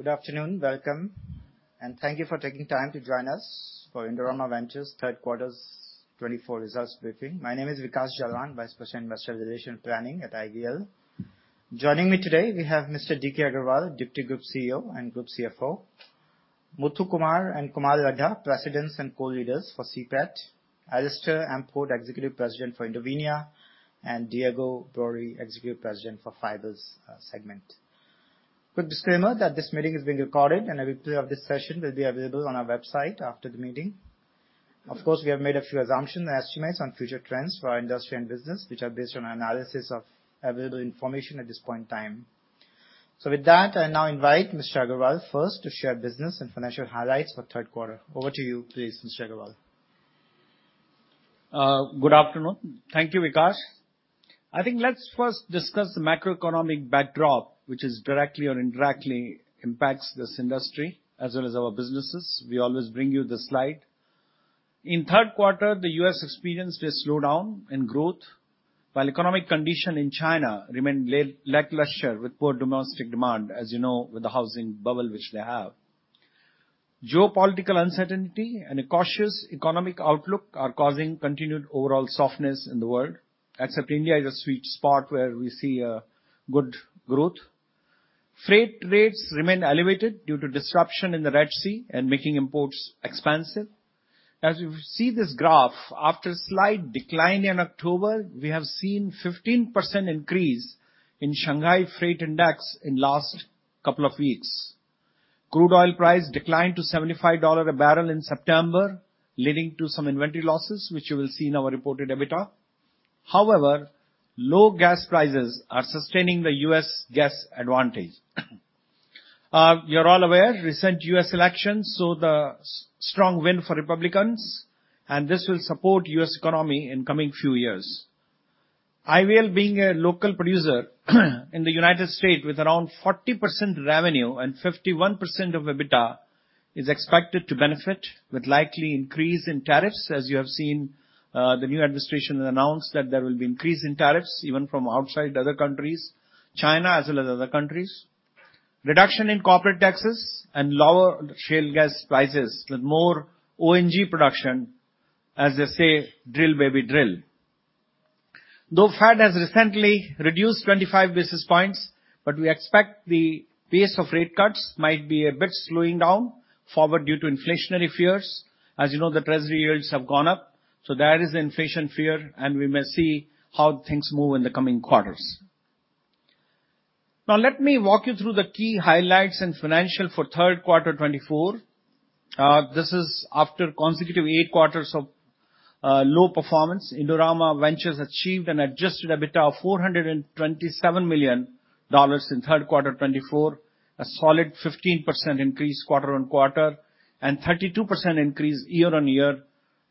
Good afternoon. Welcome and thank you for taking time to join us for Indorama Ventures Q3 24 results briefing. My name is Vikash Jalan, Vice President, Investor Relations & Planning at IVL. Joining me today we have Mr. D.K. Agarwal, Deputy Group CEO and Group CFO Muthukumar and Kumar Ladha, Presidents and co-leaders for CPET. Alastair Port, Executive President for Indovinya and Diego Boeri, Executive President for Fibers segment. Quick disclaimer that this meeting is being recorded and a replay of this session will be available on our website after the meeting. Of course we have made a few assumptions and estimates on future trends for our industry and business which are based on analysis of available information at this point in time. So with that I now invite Mr. Agarwal first to share business and financial highlights for Q3. Over to you please Mr. Agarwal, good afternoon. Thank you. Vikash, I think let's first discuss the macroeconomic backdrop which is directly or indirectly impacts this industry as well as our businesses. We always bring you this slide. In Q3 the U.S. experienced a slowdown in growth while economic condition in China remained lackluster with poor domestic demand. As you know with the housing bubble which they have, geopolitical uncertainty and a cautious economic outlook are causing continued overall softness in the world. Except India is a sweet spot where we see good growth. Freight rates remain elevated due to disruption in the Red Sea and making imports expensive. As you see this graph after slight decline in October, we have seen 15% increase in Shanghai Freight Index in last couple of weeks. Crude oil price declined to $75 a barrel in September, leading to some inventory losses which you will see in our reported EBITDA. However, low gas prices are sustaining the U.S. gas advantage. You are all aware recent U.S. elections show the strong win for Republicans, and this will support U.S. economy in coming few years. IVL being a local producer in the United States with around 40% revenue and 51% of EBITDA is expected to benefit with likely increase in tariffs. As you have seen, the new administration announced that there will be increase in tariffs even from outside other countries, China as well as other countries. Reduction in corporate taxes and lower shale gas prices with more O&G production. As they say drill baby drill. Though Fed has recently reduced 25 basis points. But we expect the pace of rate cuts might be a bit slowing down forward due to inflationary fears. As you know, the Treasury yields have gone up so that is inflation fear and we may see how things move. In the coming quarters. Now let me walk you through the key highlights and financials for Q3 2024. This is after consecutive eight quarters of low performance. Indorama Ventures achieved an Adjusted EBITDA of $427 million in Q3 2024, a solid 15% increase quarter on quarter and 32% increase year on year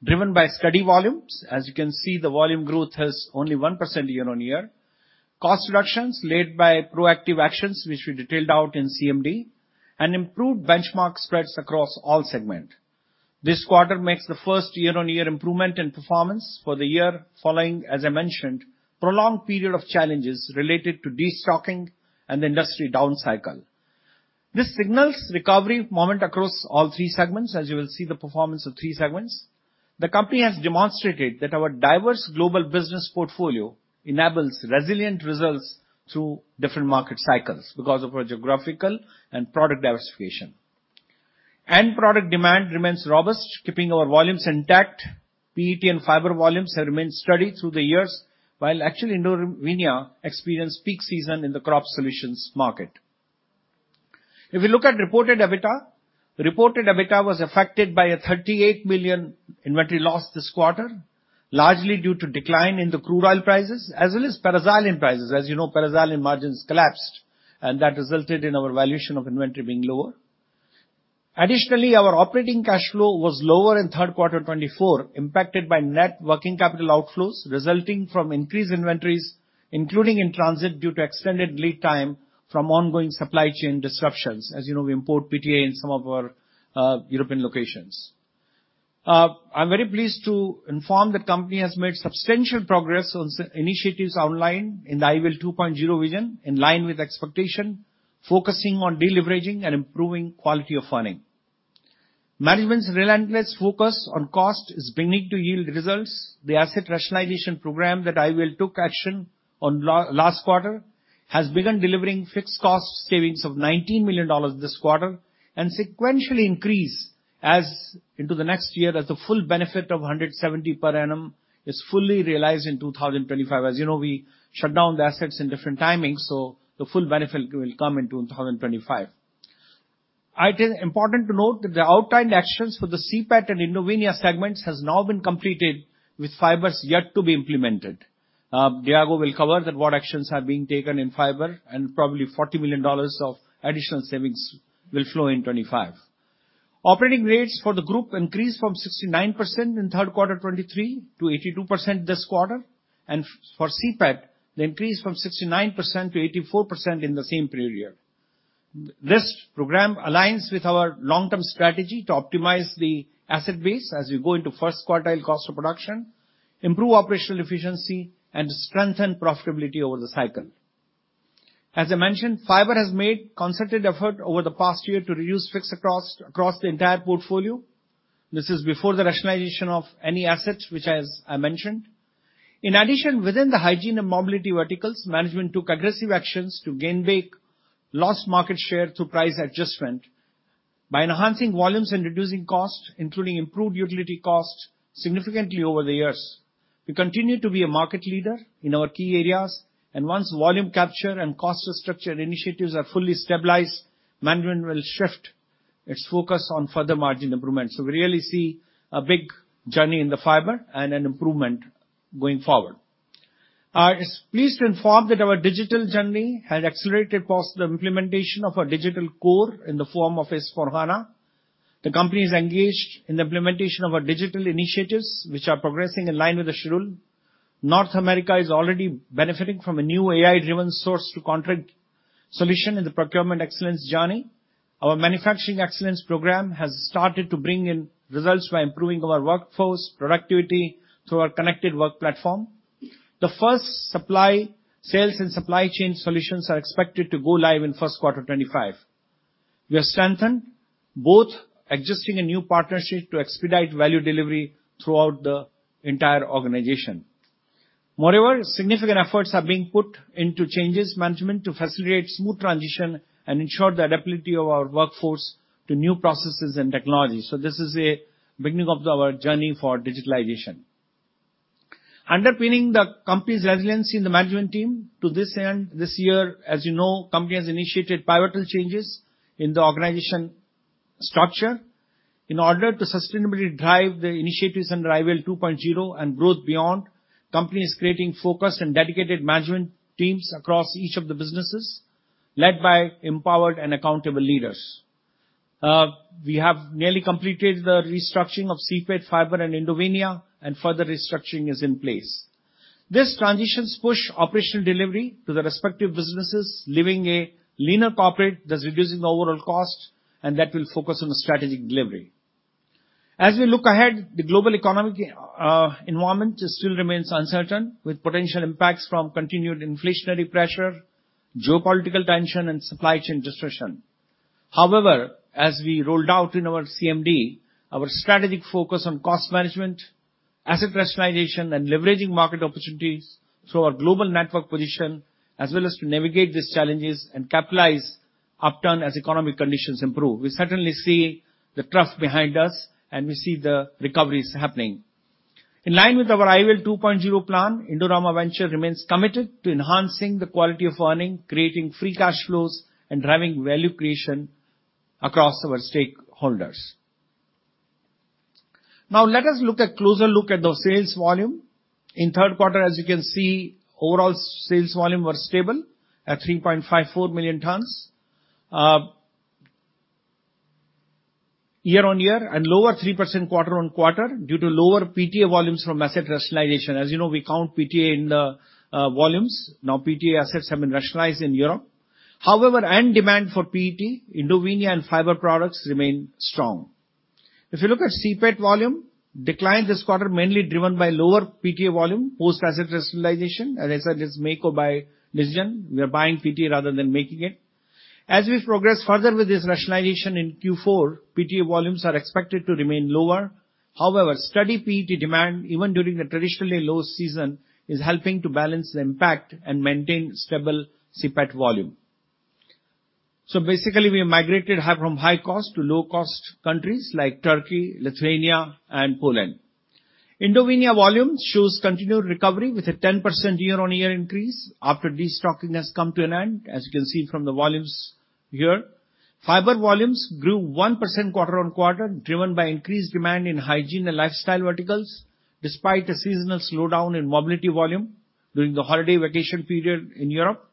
driven by steady volumes. As you can see, the volume growth has only 1% year on year. Cost reductions led by proactive actions which we detailed out in CMD and improved benchmark spreads across all segments. This quarter makes the first year on year improvement in performance for the year following. As I mentioned, a prolonged period of challenges related to destocking and the industry down cycle. This signals recovery momentum across all three segments. As you will see, the performance of three segments the company has demonstrated that our diverse global business portfolio enables resilient results through different market cycles. Because of our geographical and product diversification, end product demand remains robust keeping our volumes intact. PET and fiber volumes have remained steady through the years while actually Indovinya experienced peak season in the crop solutions market. If we look at reported EBITDA, reported EBITDA was affected by a $38 million inventory loss this quarter largely due to decline in the crude oil prices as well as paraxylene prices. As you know, paraxylene margins collapsed and that resulted in our valuation of inventory being lower. Additionally, our operating cash flow was lower in Q3 2024 impacted by net working capital outflows resulting from increased inventories including in transit due to extended lead time from ongoing supply chain disruptions. As you know, we import PTA in some of our European locations. I'm very pleased to inform the company has made substantial progress on initiatives outlined in the IVL 2.0 vision. In line with expectations focusing on deleveraging and improving quality of earnings, management's relentless focus on cost is beginning to yield results. The asset rationalization program that IVL took action on last quarter has begun delivering fixed cost savings of $19 million this quarter and sequentially increase as into the next year as the full benefit of $170 million per annum is fully realized in 2025. As you know, we shut down the assets in different timings so the full benefit will come in 2025. It is important to note that the outlined actions for the CPET and Indovinya segments has now been completed with fibers yet to be implemented. Diego will cover that what actions are being taken in fibers and probably $40 million of additional savings will flow in 2025. Operating rates for the group increased from 69% in Q3 2023 to 82% this quarter, and for CPET the increase from 69% to 84% in the same period. This program aligns with our long term strategy to optimize the asset base as we go into first quartile cost of production, improve operational efficiency, and strengthen profitability over the cycle. As I mentioned, Fibers has made concerted effort over the past year to reduce fixed cost across the entire portfolio. This is before the rationalization of any assets, which, as I mentioned, in addition, within the hygiene and mobility verticals, management took aggressive actions to gain back lost market share through price adjustment by enhancing volumes and reducing cost, including improved utility cost significantly over the years. We continue to be a market leader in our key areas and once volume capture and cost structure initiatives are fully stabilized, management will shift its focus on further margin improvement, so we really see a big journey in the Fibers and an improvement going forward. It's pleased to inform that our digital journey has accelerated the implementation of our digital core in the form of S/4HANA. The company is engaged in the implementation of our digital initiatives which are progressing in line with the schedule. North America is already benefiting from a new AI-driven source-to-contract solution in the Procurement Excellence Journey. Our Manufacturing Excellence program has started to bring in results by improving our workforce productivity through our connected work platform. The first supply sales and supply chain solutions are expected to go live in Q1 2025. We have strengthened both existing and new partnerships to expedite value delivery throughout the entire organization. Moreover, significant efforts are being put into change management to facilitate smooth transition and ensure the adaptability of our workforce to new processes and technology. This is a beginning of our journey for digitalization underpinning the company's resiliency in the management team. To this end this year, as you know, company initiated pivotal changes in the organizational structure in order to sustainably drive the initiatives under IVL 2.0 and growth beyond. Company is creating focused and dedicated management teams across each of the businesses led by empowered and accountable leaders. We have nearly completed the restructuring of CPET, Fibers and India and further restructuring is in place. These transitions push operational delivery to the respective businesses leaving a leaner corporate thus reducing the overall cost and that will focus on strategic delivery as we look ahead. The global economic environment still remains uncertain with potential impacts from continued inflationary pressure, geopolitical tension and supply chain distortion. However, as we rolled out in our CMD our strategic focus on cost management, asset rationalization and leveraging market opportunities through our global network position as well as to navigate these challenges and capitalize upturn as economic conditions improve. We certainly see the trough behind us and we see the recoveries happening in line with our IVL 2.0 plan. Indorama Ventures remains committed to enhancing the quality of earnings, creating free cash flows and driving value creation across our stakeholders. Now let us look at a closer look at the sales volume in Q3. As you can see overall sales volume was stable at 3.54 million tons. Year. On-year and lower 3% quarter-on-quarter due to lower PTA volumes from asset rationalization. As you know we count PTA in volumes now. PTA assets have been rationalized in Europe however and demand for PET, Indovinya and fiber products remain strong. If you look at CPET volume decline this quarter mainly driven by lower PTA volume post asset rationalization. As I said, it's make or buy decision. We are buying PTA rather than making it. As we progress further with this rationalization in Q4, PTA volumes are expected to remain lower. However, steady PET demand even during the traditionally low season is helping to balance the impact and maintain stable CPET volume. Basically we migrated from high cost to low-cost countries like Turkey, Lithuania and Poland. Indovinya volume shows continued recovery with a 10% year on year increase after destocking has come to an end. As you can see from the volumes here, fiber volumes grew 1% quarter on quarter driven by increased demand in hygiene and lifestyle verticals despite a seasonal slowdown in mobility volume during the holiday vacation period in Europe.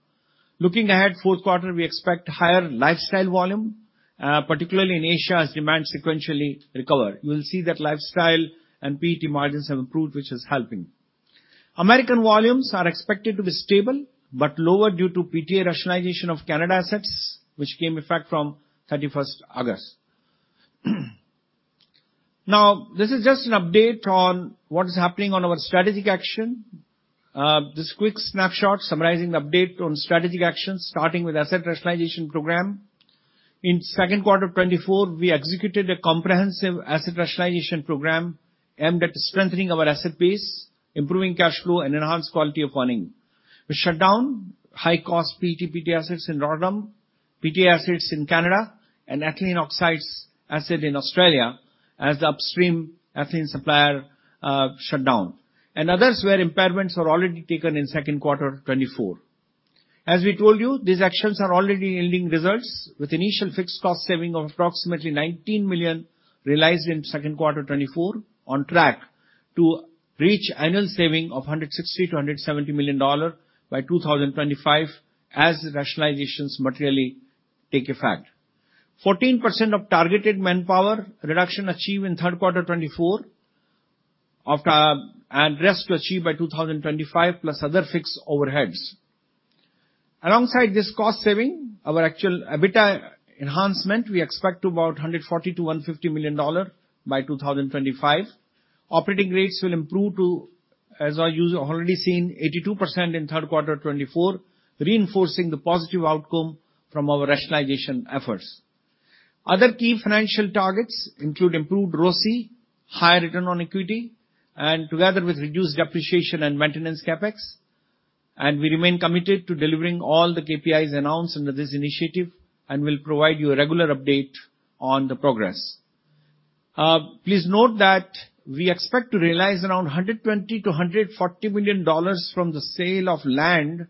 Looking ahead Q4 we expect higher lifestyle volume particularly in Asia as demand sequentially recover. You will see that lifestyle and PET margins have improved which is helping. Americas volumes are expected to be stable but lower due to PTA rationalization of Canada assets which came into effect from 31 August. Now this is just an update on what is happening on our strategic action. This quick snapshot summarizing the update on strategic actions, starting with asset rationalization program in Q2 24. We executed a comprehensive asset rationalization program aimed at strengthening our asset base, improving cash flow and enhanced quality of earning. We shut down high-cost PET/PTA assets in Rotterdam, PTA assets in Canada and ethylene oxide assets in Australia as the upstream ethylene supplier shut down and others where impairments are already taken in Q2 24. As we told you, these actions are already yielding results with initial fixed cost saving of approximately $19 million realized in Q2 24 on track to reach annual saving of $160 to $170 million by 2025 as rationalizations materially take effect, 14% of targeted manpower reduction achieved in Q3 24 and rest to achieve by 2025 plus other fixed overheads alongside this cost saving. Our actual EBITDA enhancement we expect to about $140 to $150 million by 2025. Operating rates will improve to, as you already seen, 82% in Q3 2024, reinforcing the positive outcome from our rationalization efforts. Other key financial targets include improved ROCE, higher return on equity and, together with reduced depreciation and maintenance CapEx, and we remain committed to delivering all the KPIs announced under this initiative and will provide you a regular update on the progress. Please note that we expect to realize around $120 to $140 million from the sale of land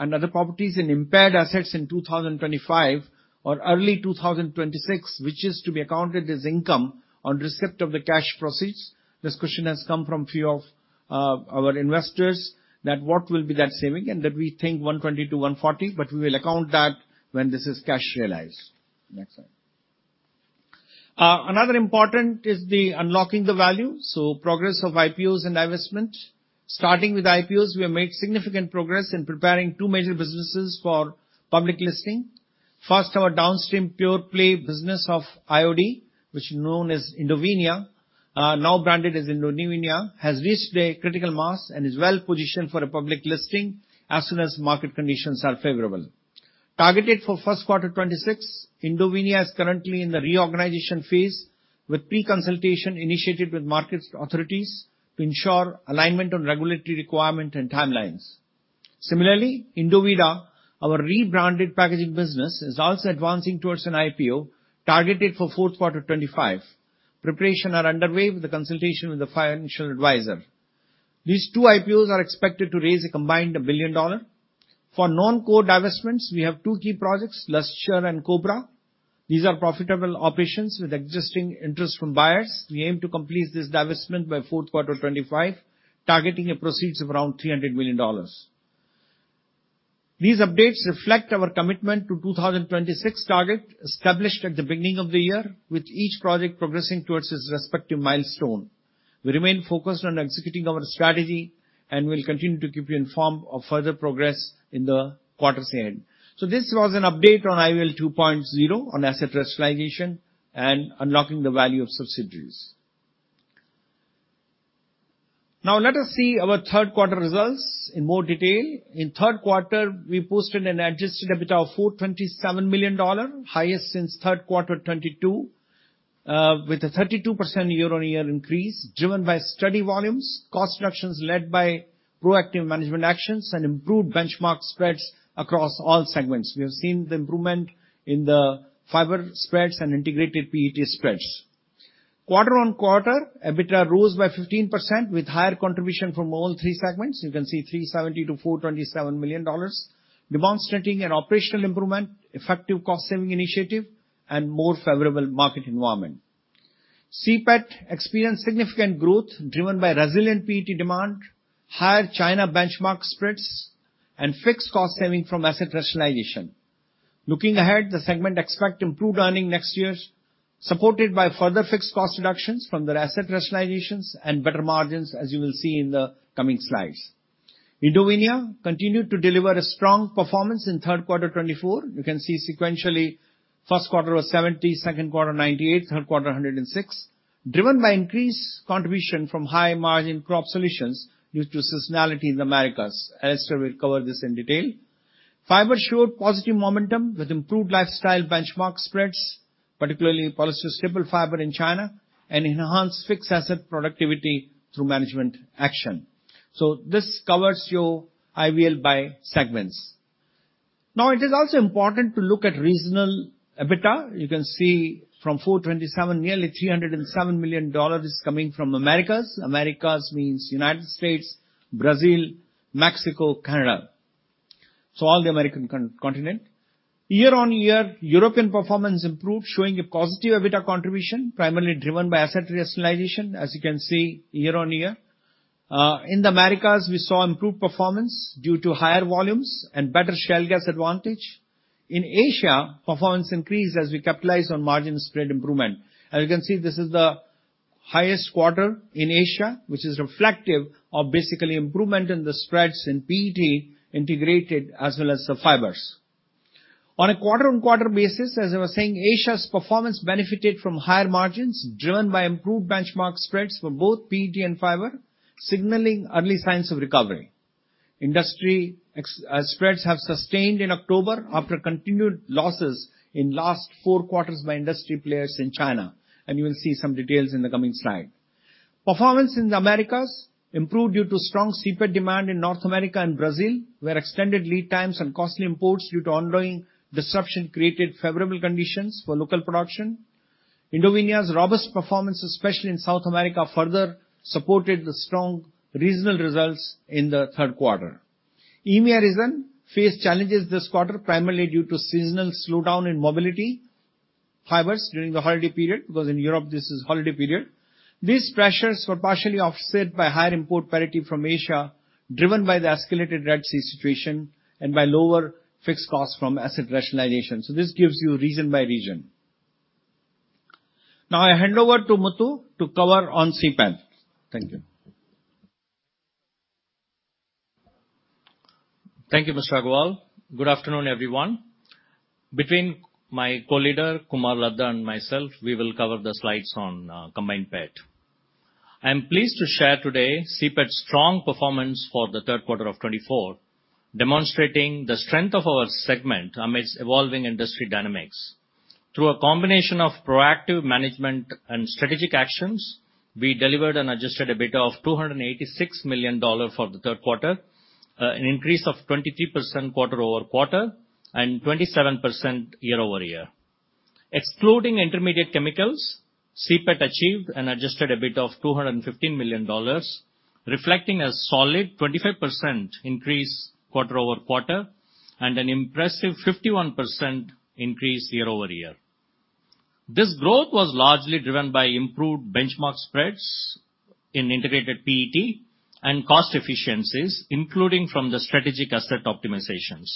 and other properties in impaired assets in 2025 or early 2026 which is to be accounted as income on receipt of the cash proceeds. This question has come from few of our investors that what will be that saving and that we think $120 to $140 million but we will account that when. This is cash realized. Next slide. Another important is the unlocking the value so progress of IPOs and divestment. Starting with IPOs, we have made significant progress in preparing two major businesses for public listing. First, our downstream Pure Play business of IOD which is known as Indovinya, now branded as Indovinya, has reached a critical mass and is well positioned for a public listing as soon as market conditions are favorable. Targeted for Q1 2026. Indovinya is currently in the reorganization phase with pre consultation initiated with market authorities to ensure alignment on regulatory requirement and timelines. Similarly, Indovinya, our rebranded packaging business is also advancing towards an IPO targeted for Q4 2025. Preparations are underway with the consultation with the financial advisor. These two IPOs are expected to raise a combined $1 billion. For non-core divestments. We have two key projects, Lustre and Cobra. These are profitable operations with existing interest from buyers. We aim to complete this divestment by Q4 2025 targeting a proceeds of around $300 million. These updates reflect our commitment to 2026 target established at the beginning of the year with each project progressing towards its respective milestone. We remain focused on executing our strategy and will continue to keep you informed of further progress in the quarters ahead. So this was an update on IVL 2.0 on asset rationalization and unlocking the value of subsidiaries. Now let us see our Q3 results in more detail. In Q3 we posted an Adjusted EBITDA of $427 million, highest since Q3 2022 with a 32% year on year increase driven by steady volumes, cost reductions led by proactive management actions and improved benchmark spreads across all segments. We have seen the improvement in the fiber spreads and integrated PET spreads quarter on quarter. EBITDA rose by 15% with higher contribution from all three segments. You can see $370 to $427 million demonstrating an operational improvement, effective cost saving initiative and more favorable market environment. CPET experienced significant growth driven by resilient PET demand, higher China benchmark spreads and fixed cost saving from asset rationalization. Looking ahead the segment expect improved earning next year supported by further fixed cost reductions from their asset rationalizations and better margins. As you will see in the coming slides, Indovinya continued to deliver a strong performance in Q3 2024. You can see sequentially Q1 was $70, Q2 $98, Q3 $106 driven by increased contribution from high margin crop solutions due to seasonality in the Americas. Alastair will cover this in detail. Fibers showed positive momentum with improved lifestyle benchmark spreads, particularly polyester, stable fiber in China and enhanced fixed asset productivity through management action. So this covers your IVL by segments. Now it is also important to look at regional EBITDA. You can see from $427 nearly $307 million is coming from Americas. Americas means United States, Brazil, Mexico, Canada so all the American continent. Year on year European performance improved showing a positive EBITDA contribution primarily driven by asset rationalization. As you can see, year on year in the Americas we saw improved performance due to higher volumes and better shale gas advantage. In Asia performance increased as we capitalized on margin spread improvement. As you can see this is the highest quarter in Asia which is reflective of basically improvement in the spreads in PET integrated as well as the fibers on a quarter on quarter basis. As I was saying, Asia's performance benefited from higher margins driven by improved benchmark spreads for both PET and fiber signaling early signs of recovery. Industry spreads have sustained in October after continued losses in last four quarters by industry players in China and you will see some details in the coming slide. Performance in the Americas improved due to strong PET demand in North America and Brazil where extended lead times and costly imports due to ongoing disruption created favorable conditions for local production. Indovinya's robust performance, especially in South America further supported the strong reasonable results in the Q3. EMEA region faced challenges this quarter primarily due to seasonal slowdown in mobility habits during the holiday period because in Europe this is holiday period. These pressures were partially offset by higher import parity from Asia driven by the escalated Red Sea situation and by lower fixed costs from asset rationalization. So this gives you reason by region. Now I hand over to Muthu to cover on CPET. Thank you. Thank you Mr. Agarwal. Good afternoon everyone. Between my co-leader Kumar Laddha and myself, we will cover the slides on combined PET. I am pleased to share today CPET's strong performance for Q3 2024, demonstrating the strength of our segment amidst evolving industry dynamics through a combination of proactive management and strategic actions. We delivered an Adjusted EBITDA of $286 million for the Q3, an increase of 23% quarter over quarter and 27% year over year. Excluding intermediate chemicals, CPET achieved an Adjusted EBITDA of $215 million reflecting a solid 25% increase quarter over quarter and an impressive 51% increase year over year. This growth was largely driven by improved benchmark spreads in integrated PET and cost efficiencies, including from the strategic asset optimizations.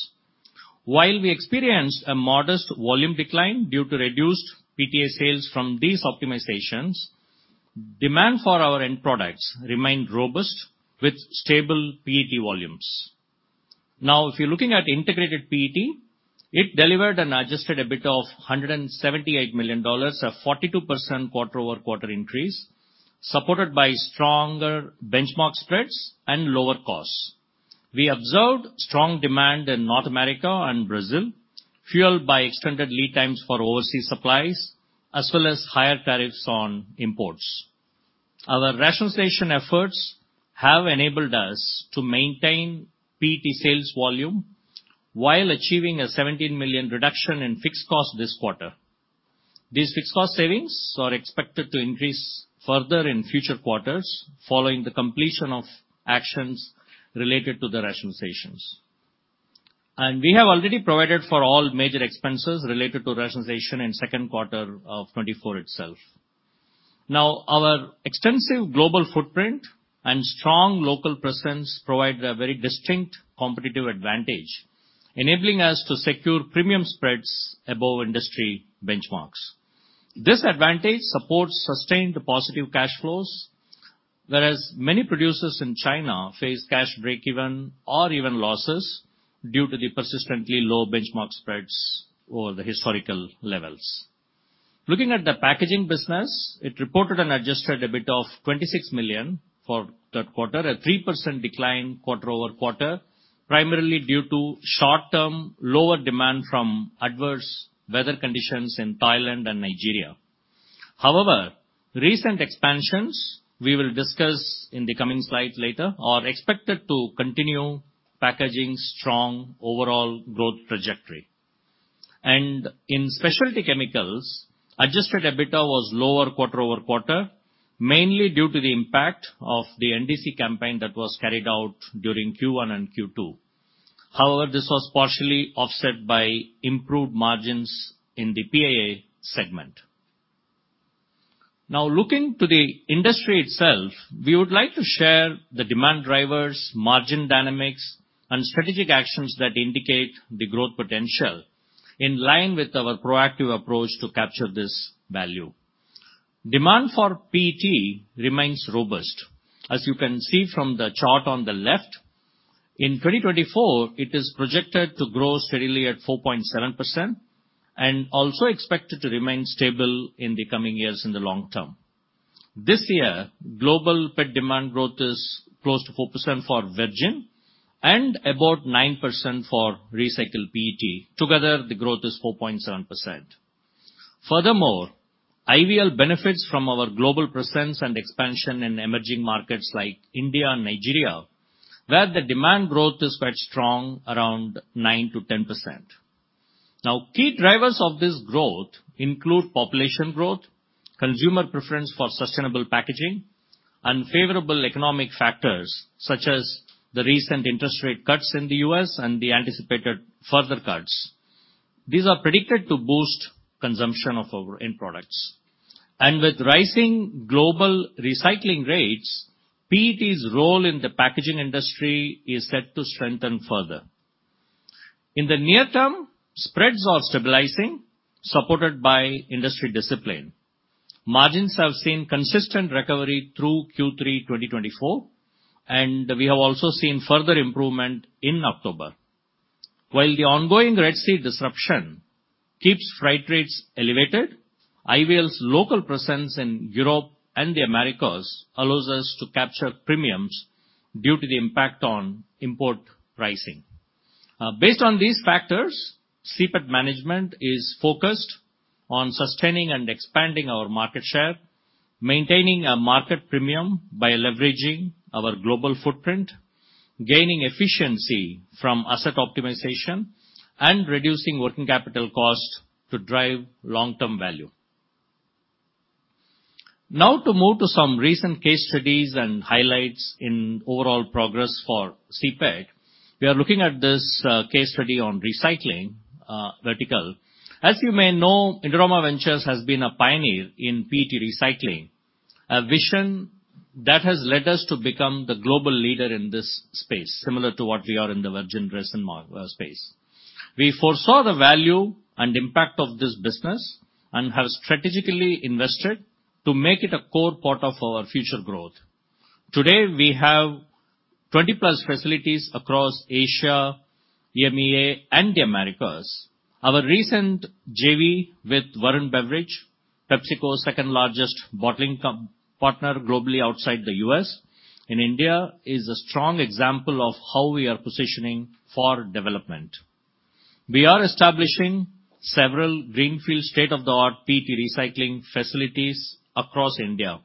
While we experienced a modest volume decline due to reduced PTA sales from these optimizations, demand for our end products remained robust with stable PET volumes. Now if you're looking at Integrated PET, it delivered an Adjusted EBITDA of $178 million, a 42% quarter over quarter increase supported by stronger benchmark spreads and lower costs. We observed strong demand in North America and Brazil fueled by extended lead times for overseas supplies as well as higher tariffs on imports. Our rationalization efforts have enabled us to maintain PET sales volume while achieving a $17 million reduction in fixed cost this quarter. These fixed cost savings are expected to increase further in future quarters following the completion of actions related to the rationalizations, and we have already provided for all major expenses related to rationalization in Q2 2024 itself. Now, our extensive global footprint and strong local presence provide a very distinct competitive advantage enabling us to secure premium spreads above industry benchmarks. This advantage supports sustained positive cash flows, whereas many producers in China face cash breakeven or even losses due to the persistently low benchmark spreads over the historical levels. Looking at the packaging business, it reported an Adjusted EBITDA $26 million for Q3, a 3% decline quarter over quarter primarily due to short-term lower demand from adverse weather conditions in Thailand and Nigeria. However, recent expansions we will discuss in the coming slides later are expected to continue packaging strong overall growth trajectory and in specialty chemicals Adjusted EBITDA was lower quarter over quarter, mainly due to the impact of the NDC campaign that was carried out during Q1 and Q2. However, this was partially offset by improved margins in the PIA segment. Now, looking to the industry itself, we would like to share the demand drivers, margin dynamics and strategic actions that indicate the growth potential. In line with our proactive approach to capture this value, demand for PET remains robust. As you can see from the chart on the left, in 2024 it is projected to grow steadily at 4.7% and also expected to remain stable in the coming years. In the long term, this year global PET demand growth is close to 4% for virgin and about 9% for recycled PET. Together the growth is 4.7%. Furthermore, IVL benefits from our global presence and expansion in emerging markets like India and Nigeria where the demand growth is quite strong around 9% to 10% now. Key drivers of this growth include population growth, consumer preference for sustainable packaging, unfavorable economic factors such as the recent interest rate cuts in the U.S. and the anticipated further cuts. These are predicted to boost consumption of our end products and with rising global recycling rates, PET's role in the packaging industry is set to strengthen further in the near term. Spreads are stabilizing, supported by industry discipline. Margins have seen consistent recovery through Q3 2024 and we have also seen further improvement in October. While the ongoing Red Sea disruption keeps freight rates elevated, IVL's local presence in Europe and the Americas allows us to capture premiums due to the impact on imports rising. Based on these factors, CPET management is focused on sustaining and expanding our market share, maintaining a market premium by leveraging our global footprint, gaining efficiency from asset optimization and reducing working capital cost to drive long-term value. Now to move to some recent case studies and highlights in overall progress for CPET, we are looking at this case study on recycling vertical. As you may know, Indorama Ventures has been a pioneer in PET recycling, a vision that has led us to become the global leader in this space. Similar to what we are in the virgin resin space, we foresaw the value and impact of this business and have strategically invested to make it a core part of our future growth. Today we have 20-plus facilities across Asia, EMEA and the Americas. Our recent JV with Varun Beverages, PepsiCo's second-largest bottling partner globally outside the U.S. in India, is a strong example of how we are positioning for development. We are establishing several greenfield state-of-the-art PET recycling facilities across India.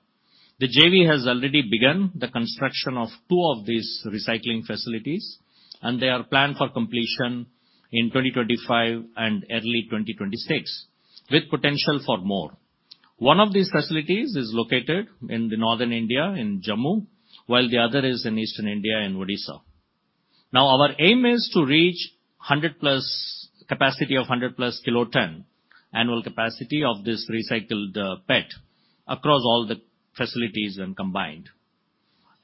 The JV has already begun the construction of two of these recycling facilities, and they are planned for completion in 2025 and early 2026 with potential for more. One of these facilities is located in northern India in Jammu while the other is in eastern India in Odisha. Now our aim is to reach 100-plus capacity of 100-plus kiloton annual capacity of this recycled PET across all the facilities and combined,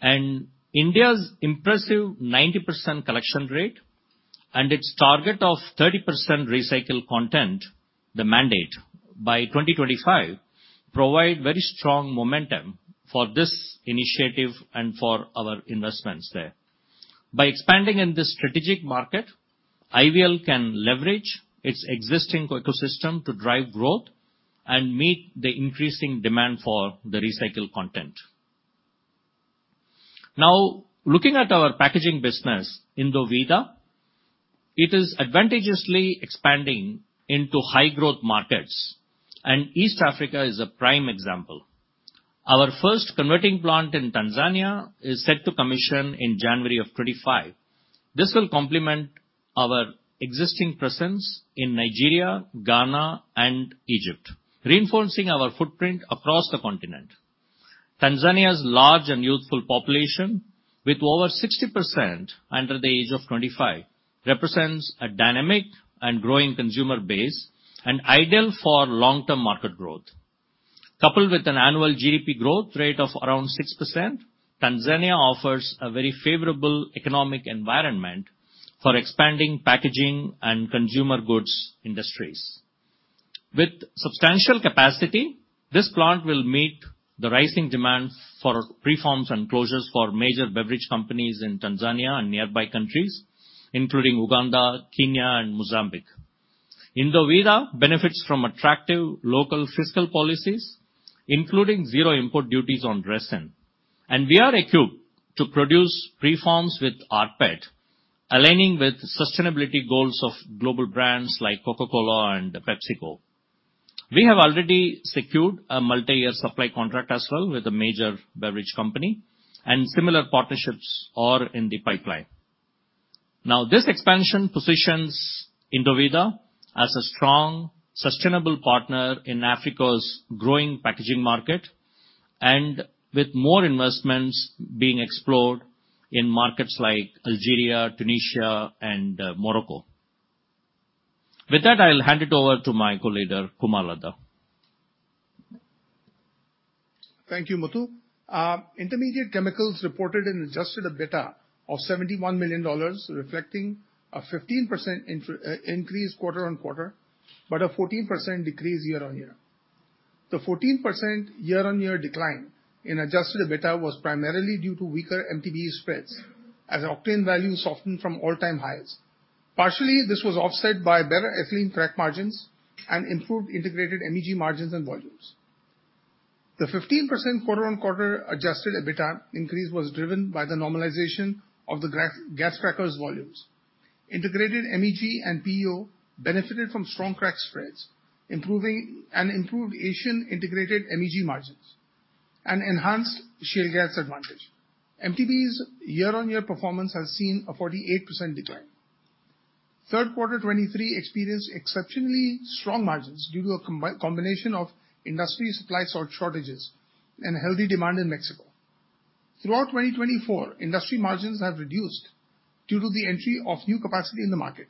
and India's impressive 90% collection rate and its target of 30% recycled content. The mandate by 2025 provides very strong momentum for this initiative and for our investments there. By expanding in this strategic market, IVL can leverage its existing ecosystem to drive growth and meet the increasing demand for the recycled content. Now looking at our packaging business Indovinya, it is advantageously expanding into high growth markets and East Africa is a prime example. Our first converting plant in Tanzania is set to commission in January of 2025. This will complement our existing presence in Nigeria, Ghana and Egypt, reinforcing our footprint across the continent. Tanzania's large and youthful population with over 60% under the age of 25 represents a dynamic and growing consumer base and ideal for long term market growth. Coupled with an annual GDP growth rate of around 6%, Tanzania offers a very favorable economic environment for expanding packaging and consumer goods industries. With substantial capacity, this plant will meet the rising demand for preforms and closures for major beverage companies in Tanzania and nearby countries including Uganda, Kenya and Mozambique. Indovinya benefits from attractive local fiscal policies including zero import duties on resin and we are equipped to produce preforms with rPET aligning with sustainability goals of global brands like Coca-Cola and PepsiCo. We have already secured a multi-year supply contract as well with a major beverage company and similar partnerships are in the pipeline now. This expansion positions Indovinya as a strong sustainable partner in Africa's growing packaging market and with more investments being explored in markets like Algeria, Tunisia and Morocco. With that I'll hand it over to my co-leader Kumar Ladha. Thank you. Muthu, Integrated Chemicals reported an adjusted EBITDA of $71 million reflecting a 15% increase quarter on quarter but a 14% decrease year on year. The 14% year on year decline in adjusted EBITDA was primarily due to weaker MTBE spreads as octane value softened from all-time highs. Partially this was offset by better ethylene crack margins and improved integrated MEG margins and volumes. The 15% quarter on quarter adjusted EBITDA increase was driven by the normalization of the gas cracker volumes. Integrated MEG and EO benefited from strong crack spreads and improved Asian integrated MEG margins and enhanced shale gas advantage. MTBE's year on year performance has seen a 48% decline. Q3 2023 experienced exceptionally strong margins due to a combination of industry supply, salt shortages and healthy demand in Mexico. Throughout 2024, industry margins have reduced due to the entry of new capacity in the market.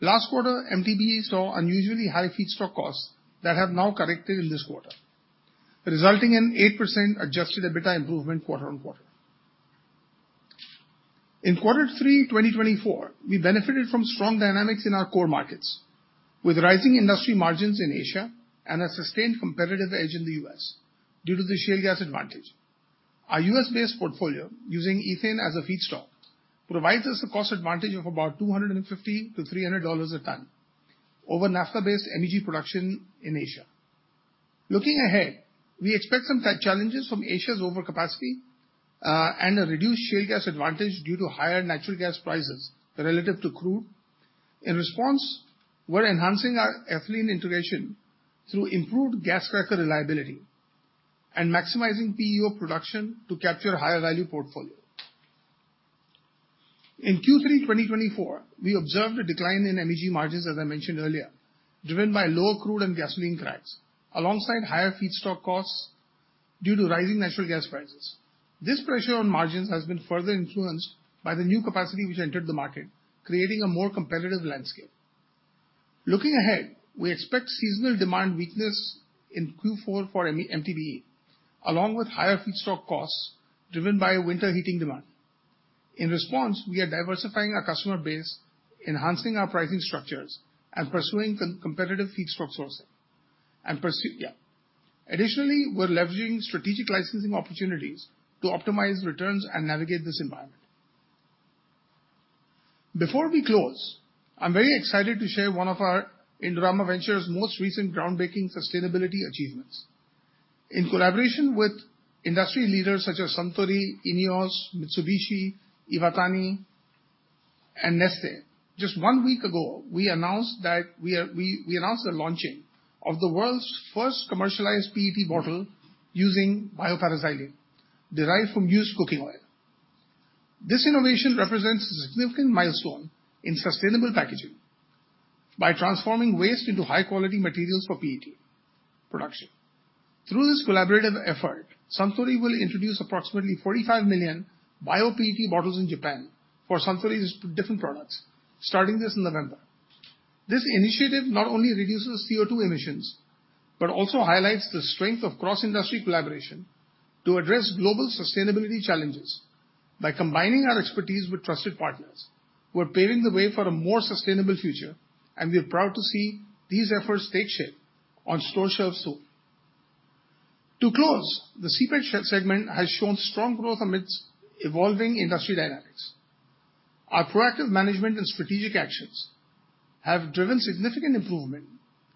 Last quarter, MTBE saw unusually high feedstock costs that have now corrected in this quarter resulting in 8% adjusted EBITDA improvement quarter on quarter. In quarter three, 2024, we benefited from strong dynamics in our core markets with rising industry margins in Asia and a sustained competitive edge in the U.S. due to the shale gas advantage. Our U.S. based portfolio using ethane as a feedstock provides us a cost advantage of about $250-$300 a ton over naphtha based MEG production in Asia. Looking ahead, we expect some challenges from Asia's overcapacity and a reduced shale gas advantage due to higher natural gas prices relative to crude oil. In response, we're enhancing our ethylene integration through improved gas cracker reliability and maximizing EO production to capture higher value portfolio. In Q3 2024, we observed a decline in MEG margins as I mentioned earlier, driven by lower crude and gasoline cracks alongside higher feedstock costs due to rising natural gas prices. This pressure on margins has been further influenced by the new capacity which entered the market, creating a more competitive landscape. Looking ahead, we expect seasonal demand weakness in Q4 for MTBE along with higher feedstock costs driven by winter heating demand. In response, we are diversifying our customer base, enhancing our pricing structures and pursuing competitive feedstock sourcing. Additionally, we're leveraging strategic licensing opportunities to optimize returns and navigate this environment. Before we close, I'm very excited to share one of our Indorama Ventures most recent groundbreaking sustainability achievements in collaboration with industry leaders such as Suntory, Ineos, Mitsubishi Corporation, Iwatani and Neste. Just one week ago we announced the launching of the world's first commercialized PET bottle using bio-paraxylene derived from used cooking oil. This innovation represents a significant milestone in sustainable packaging by transforming waste into high quality materials for PET production. Through this collaborative effort, Suntory will introduce approximately 45 million BioPET bottles in Japan for Suntory's different products starting this in November. This initiative not only reduces CO2 emissions but also highlights the strength of cross industry collaboration to address global sustainability challenges by combining our expertise with trusted partners who are paving the way for a more sustainable future and we are proud to see these efforts take shape on store shelves soon to close. The CPET segment has shown strong growth amidst evolving industry dynamics. Our proactive management and strategic actions have driven significant improvement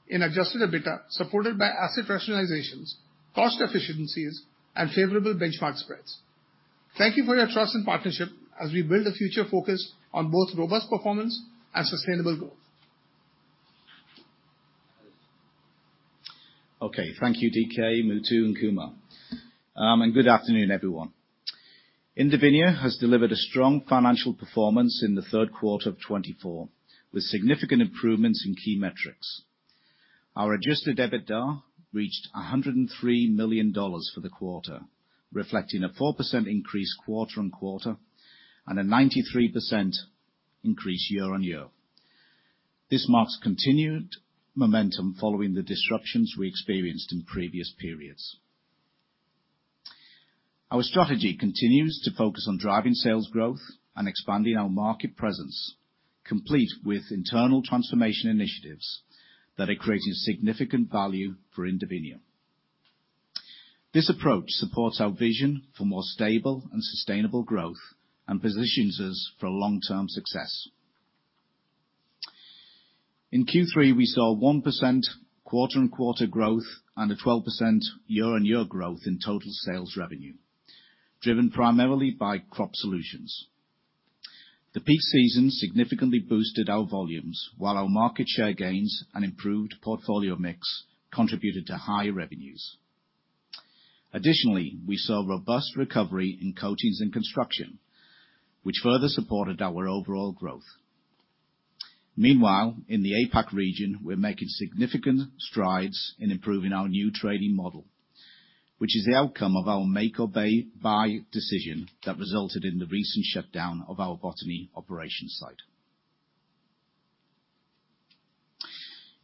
in Adjusted EBITDA supported by asset rationalizations, cost efficiencies and favorable benchmark spreads. Thank you for your trust and partnership as we build a future focus on both robust performance and sustainable growth. Okay, thank you D.K., Muthu and Kumar, and good afternoon everyone. Indovinya has delivered a strong financial performance in Q3 2024 with significant improvements in key metrics. Our Adjusted EBITDA reached $103 million for the quarter reflecting a 4% increase quarter on quarter and a 93% increase year on year. This marks continued momentum following the disruptions we experienced in previous periods. Our strategy continues to focus on driving sales growth and expanding our market presence, complete with internal transformation initiatives that are creating significant value for Indovinya. This approach supports our vision for more stable and sustainable growth and positions us for long term success. In Q3 we saw 1% quarter on quarter growth and a 12% year on year growth in total sales revenue driven primarily by crop solutions. The peak season significantly boosted our volumes while our market share gains and improved portfolio mix contributed to high revenues. Additionally, we saw robust recovery in coatings and construction which further supported our overall growth. Meanwhile, in the APAC region we're making significant strides in improving our new trading model which is the outcome of our make or buy decision that resulted in the recent shutdown of our Botany operations site.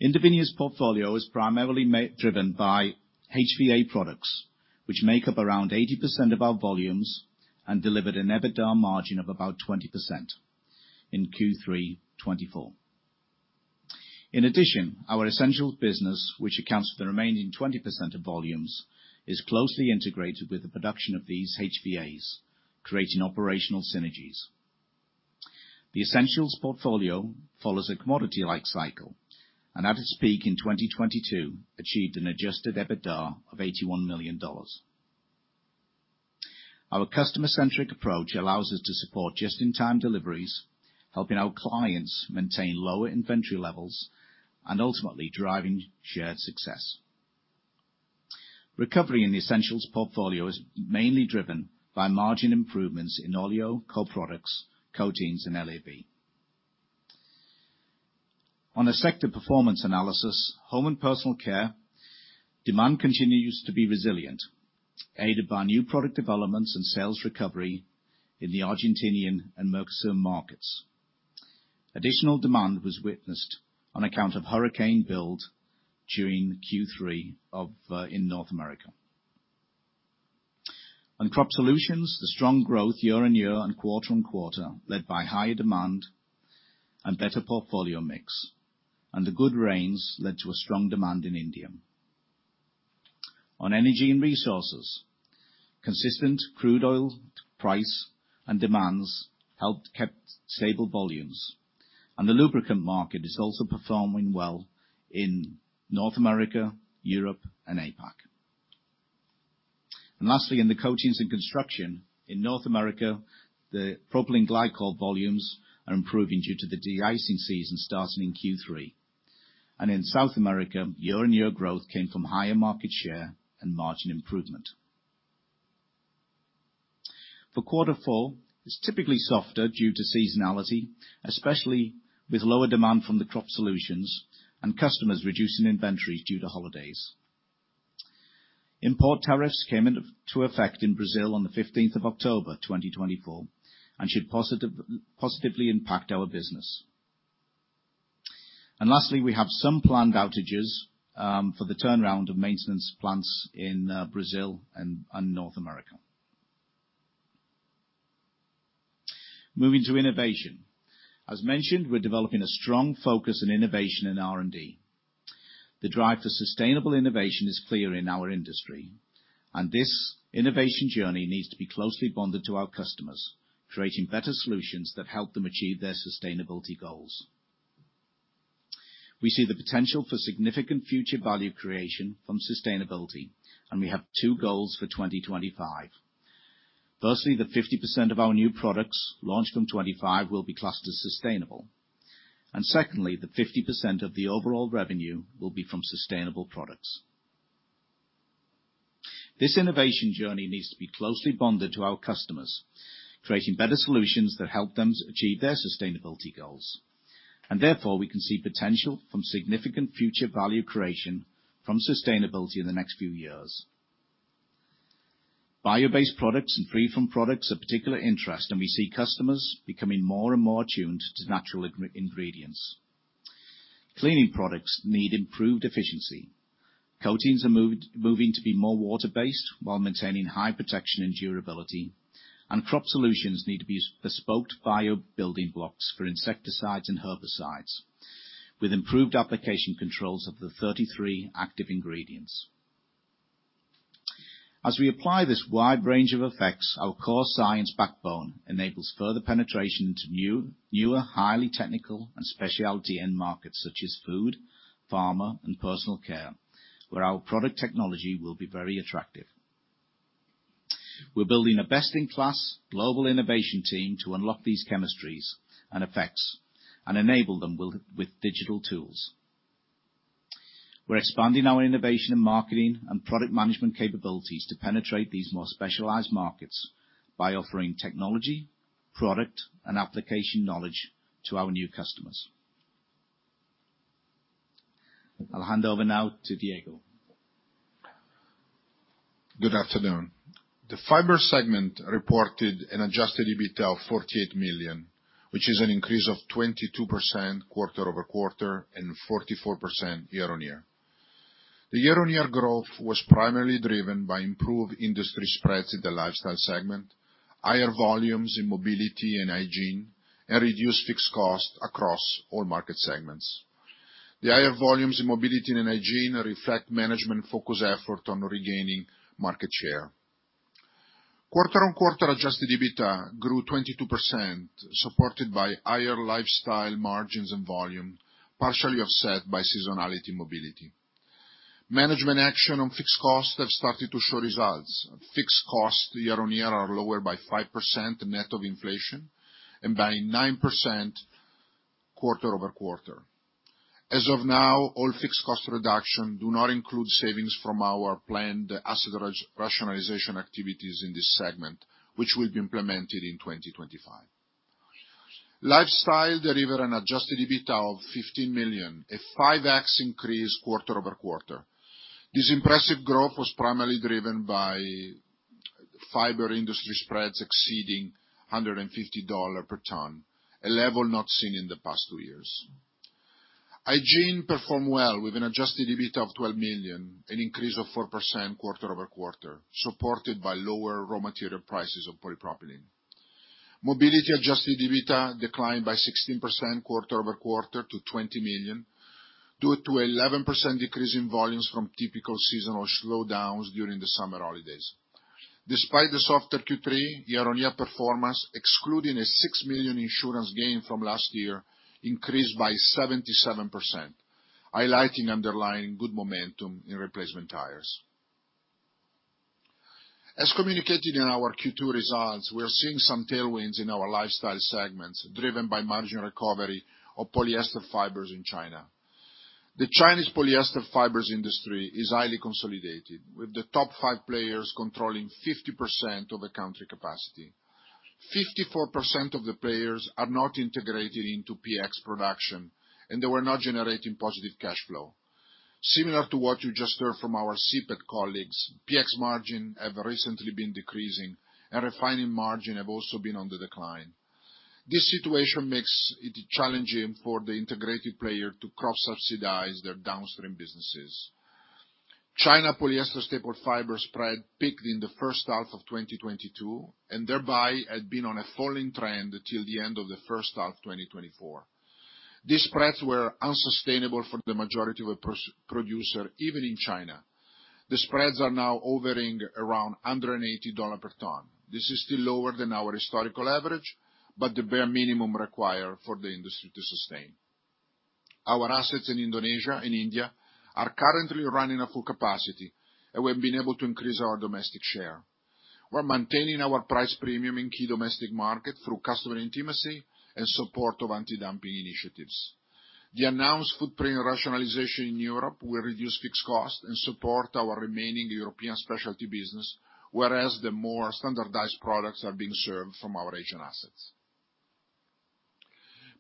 Indovinya's portfolio is primarily driven by HVA products which make up around 80% of our volumes and delivered an Adjusted EBITDA margin of about 20% in Q3 2024. In addition, our Essentials business which accounts for the remaining 20% of volumes, is closely integrated with the production of these HVAs, creating operational synergies. The Essentials portfolio follows a commodity like cycle and at its peak in 2022 achieved an Adjusted EBITDA of $81 million. Our customer centric approach allows us to support just in time deliveries, helping our clients maintain lower inventory levels and ultimately driving shared success. Recovery in the Essentials portfolio is mainly driven by margin improvements in Oleo co-products, Coatings and LAB on a sector performance analysis. Home and personal care demand continues to be resilient aided by new product developments and sales recovery in the Argentinian and Mercosur markets. Additional demand was witnessed on account of hurricane buildup during Q3 in North America on crop solutions. The strong growth year on year and quarter on quarter led by higher demand and better portfolio mix and the good rains led to a strong demand in India on energy and resources. Consistent crude oil prices and demand helped keep stable volumes, and the lubricant market is also performing well in North America, Europe, and APAC. And lastly, in the coatings and construction in North America, the propylene glycol volumes are improving due to the de-icing season starting in Q3, and in South America, year-on-year growth came from higher market share and margin improvement. For quarter four, it's typically softer due to seasonality, especially with lower demand from the crop solutions and customers reducing inventories due to holidays. Import tariffs came into effect in Brazil on 15th October 2024 and should positively impact our business. And lastly, we have some planned outages for the turnaround of maintenance plants in Brazil and North America. Moving to innovation, as mentioned, we're developing a strong focus on innovation in R&D. The drive for sustainable innovation is clear in our industry and this innovation journey needs to be closely bonded to our customers, creating better solutions that help them achieve their sustainability goals. We see the potential for significant future value creation from sustainability and we have two goals for 2025. Firstly, 50% of our new products launched from 2025 will be classed as sustainable and secondly 50% of the overall revenue will be from sustainable products. This innovation journey needs to be closely bonded to our customers, creating better solutions that help them achieve their sustainability goals and therefore we can see potential from significant future value creation from sustainability in the next few years. Bio-based products and free-from products of particular interest and we see customers becoming more and more attuned to natural ingredients. Cleaning products need improved efficiency, coatings are moving to be more water-based while maintaining high protection and durability, and crop solutions need to be bespoke bio building blocks for insecticides and herbicides with improved application controls of the 33 active ingredients. As we apply this wide range of effects, our core science backbone and enables further penetration into newer highly technical and specialty end markets such as food, pharma, and personal care where our product technology will be very attractive. We're building a best-in-class global innovation team to unlock these chemistries and effects and enable them with digital tools. We're expanding our innovation and marketing and product management capabilities to penetrate these more specialized markets by offering technology, product, and application knowledge to our new customers. I'll hand over now to Diego. Good afternoon. The Fibers segment reported an Adjusted EBITDA of $48 million which is an increase of 22% quarter over quarter and 44% year on year. The year on year growth was primarily driven by improved industry spreads in the lifestyle segment, higher volumes in mobility and hygiene and reduced fixed cost across all market segments. The higher volumes in mobility and hygiene reflect management focused effort on regaining market share. Quarter over quarter adjusted EBITDA grew 22% supported by higher lifestyle margins and volume partially offset by seasonality. Mobility management action on fixed costs have started to show results. Fixed costs year on year are lower by 5% net of inflation and by 9% quarter over quarter. As of now, all fixed cost reduction do not include savings from our planned asset rationalization activities in this segment, which will be implemented in 2025. Lifestyle deliver an adjusted EBITDA of $15 million, a 5x increase quarter over quarter. This impressive growth was primarily driven by fiber industry spreads exceeding $150 per tonne, a level not seen in the past two years. Hygiene performed well with an adjusted EBITDA of $12 million, an increase of 4% quarter over quarter supported by lower raw material prices of polypropylene. Mobility adjusted EBITDA declined by 16% quarter over quarter to $20 million due to 11% decrease in volumes from typical seasonal slowdowns during the summer holidays. Despite the softer Q3 year on year performance excluding a $6 million insurance gain from last year increased by 77% highlighting underlying good momentum in replacement tires. As communicated in our Q2 results, we are seeing some tailwinds in our lifestyle segments driven by margin recovery of polyester fibers in China. The Chinese polyester fibers industry is highly consolidated with the top five players controlling 50% of the country's capacity. 54% of the players are not integrated into PX production and they were not generating positive cash flow. Similar to what you just heard from our CPET colleagues, PX margins have recently been decreasing and refining margins have also been on the decline. This situation makes it challenging for the integrated players to cross-subsidize their downstream businesses. China polyester staple fiber spreads peaked in the first half of 2022 and there had been on a falling trend till the end of the first half of 2024. These spreads were unsustainable for the majority of producers. Even in China, the spreads are now hovering around $180 per tonne. This is still lower than our historical average, but the bare minimum required for the industry to sustain. Our assets in Indonesia and India are currently running at full capacity and we have been able to increase our domestic share. We're maintaining our price premium in key domestic market through customer intimacy and support of anti-dumping initiatives. The announced footprint rationalization in Europe will reduce fixed cost and support our remaining European specialty business, whereas the more standardized products are being served from our Asian assets.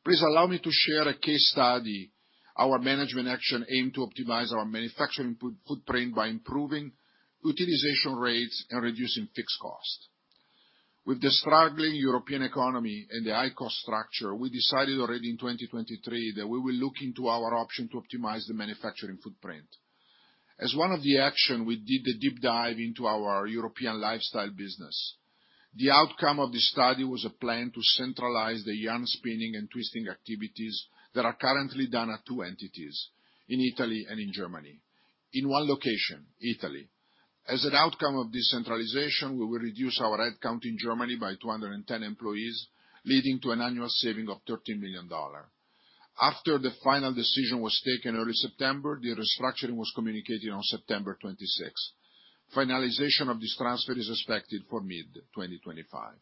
Please allow me to share a case study. Our management action aimed to optimize our manufacturing footprint by improving utilization rates and reducing fixed cost. With the struggling European economy and the high cost structure, we decided already in 2023 that we will look into our options to optimize the manufacturing footprint. As one of the actions, we did the deep dive into our European lifestyle business. The outcome of this study was a plan to centralize the yarn spinning and twisting activities that are currently done at two entities in Italy and in Germany in one location. In Italy, as an outcome of centralization, we will reduce our headcount in Germany by 210 employees, leading to an annual savings of $13 million. After the final decision was taken in early September, the restructuring was communicated on September 26th. Finalization of this transfer is expected for mid-2025.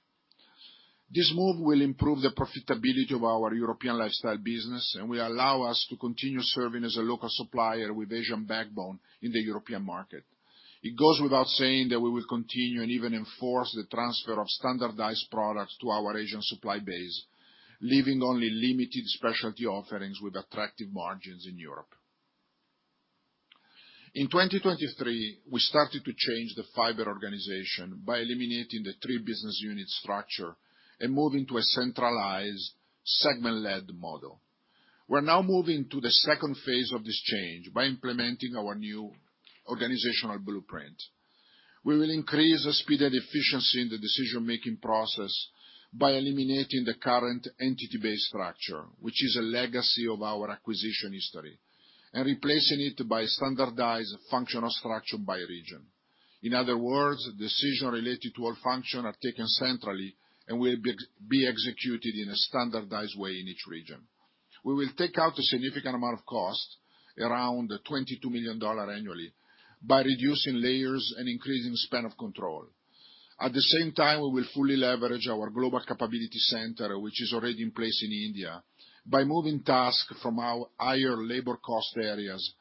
This move will improve the profitability of our European lifestyle business and will allow us to continue serving as a local supplier with Asian backbone in the European market. It goes without saying that we will continue and even enforce the transfer of standardized products to our Asian supply base, leaving only limited specialty offerings with attractive margins in Europe. In 2023, we started to change the fiber organization by eliminating the three business unit structure and moving to a centralized segment led model. We're now moving to the second phase of this change by implementing our new organizational blueprint. We will increase speed and efficiency in the decision making process by eliminating the current entity based structure which is a legacy of our acquisition history and replacing it by standardized functional structure by region. In other words, decisions related to all functions are taken centrally and will be executed in a standardized way in each region. We will take out a significant amount of cost, around $22 million annually by reducing layers and increasing span of control. At the same time, we will fully leverage our global capability center which is already in place in India by moving tasks from our higher labor cost areas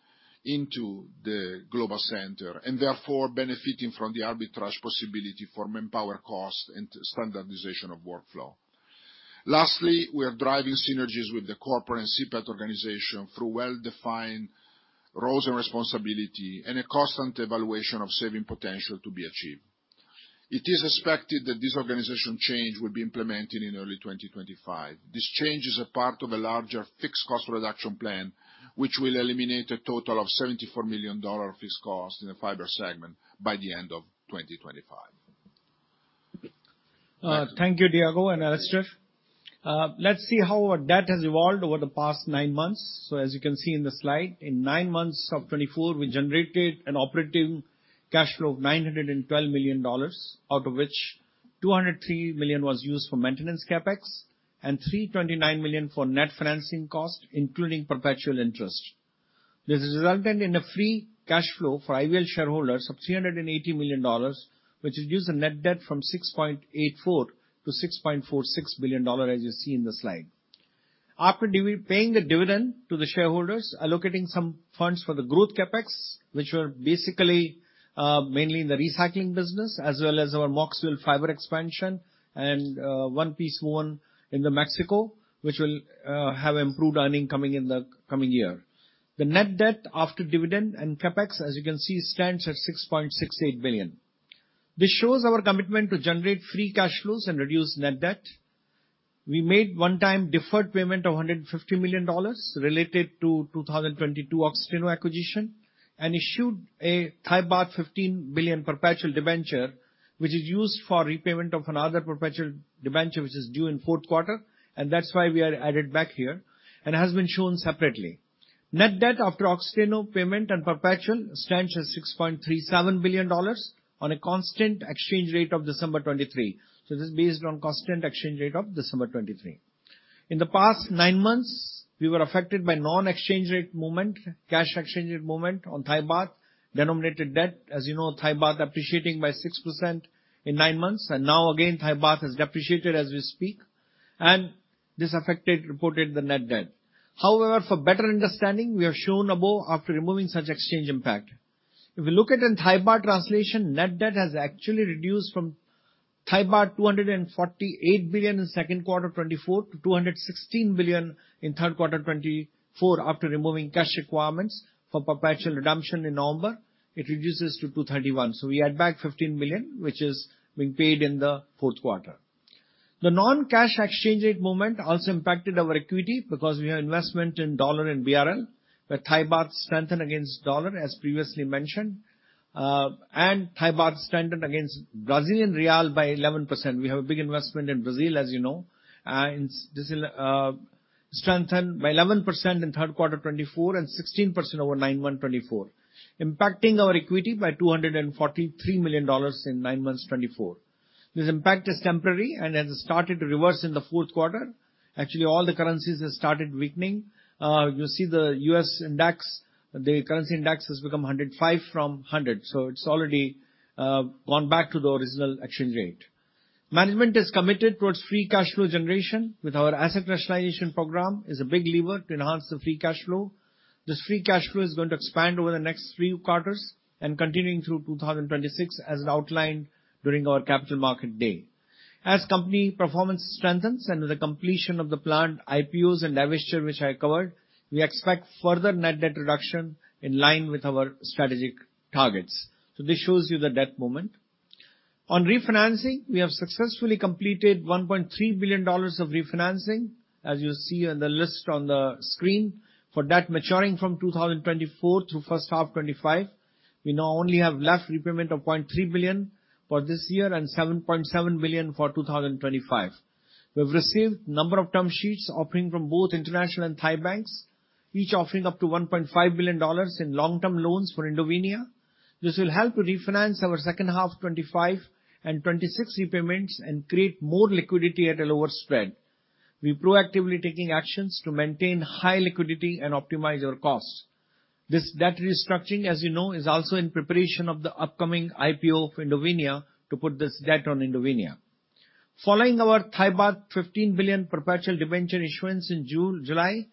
into the global center and therefore benefiting from the arbitrage possibility for manpower cost and standardization of workflow. Lastly, we are driving synergies with the corporate and CPET organization through well defined roles and responsibilities and a constant evaluation of saving potential to be achieved. It is expected that this organization change will be implemented in early 2025. This change is a part of a larger fixed cost reduction plan which will eliminate a total of $74 million fixed cost in the fiber segment by the end of 2025. Thank you Diego and Alastair. Let's see how our debt has evolved over the past nine months. So as you can see in the slide, in nine months of 2024 we generated an operating cash flow of $912 million out of which $203 million was used for maintenance CapEx and $329 million for net financing cost including perpetual interest. This resulted in a free cash flow for IVL shareholders of $380 million which reduced the net debt from $6.84 to $6.46 billion. As you see in the slide after paying the dividend to the shareholders, allocating some funds for the growth CapEx which were basically mainly in the recycling business as well as our Mocksville fiber expansion and one-piece woven in Mexico which will have improved earnings coming in the coming year. The net debt after dividend and CapEx as you can see stands at $6.68 billion. This shows our commitment to generate free cash flows and reduce net debt. We made one-time deferred payment of $150 million related to 2022 Oxiteno acquisition and issued a baht 15 billion perpetual debenture which is used for repayment of another perpetual debenture which is due in Q4. And that's why we are added back here and has been shown separately net debt after Oxiteno payment and perpetual stands at $6.37 billion on a constant exchange rate of December 2023. So this based on constant exchange rate of December 2023. In the past nine months we were affected by non-cash exchange rate movement on Thai Baht denominated debt. As you know Thai Baht appreciating by 6% in nine months and now again Thai Baht has depreciated as we speak and this affected reported the net debt. However, for better understanding, we have shown above, after removing such exchange impact, if we look at in Thai Baht translation, net debt has actually reduced from baht 248 billion in Q2 2024 to 216 billion in Q3 2024. After removing cash requirements for perpetual redemption in November, it reduces to 231 billion. So we add back 15 million, which is being paid in the Q4. The non-cash exchange rate movement also impacted our equity because we have investment in dollar and BRL where Thai Baht strengthened against dollar as previously mentioned and Thai Baht strengthened against Brazilian real by 11%. We have a big investment in Brazil as you know strengthened by 11% in Q3 2024 and 16% over nine months 2024 impacting our equity by $243 million in nine months 2024. This impact is temporary and has started to reverse in the Q4. Actually all the currencies have started weakening. You see the U.S. index, the currency index has become 105 from 100 so it's already gone back to the original exchange rate. Management is committed towards free cash flow generation, with our asset rationalization program, is a big lever to enhance the free cash flow. This free cash flow is going to expand over the next few quarters and continuing through 2026 as outlined during our Capital Markets Day. As company performance strengthens and with the completion of the planned IPOs and divestiture which I covered, we expect further net debt reduction in line with our strategic targets. This shows you the debt movement on refinancing. We have successfully completed $1.3 billion of refinancing as you see on the list on the screen for debt maturing from 2024 through first half 2025. We now only have left repayment of $0.3 billion for this year and $7.7 billion for 2025. We have received number of term sheets offering from both international and Thai banks, each offering up to $1.5 billion in long term loans for Indovinya. This will help to refinance our second half 2025 and 2026 repayments and create more liquidity at a lower spread. We proactively taking actions to maintain high liquidity and optimize our cost. This debt restructuring as you know is also in preparation of the upcoming IPO of Indovinya to put this debt on Indovinya following our 15 billion perpetual debenture issuance in July.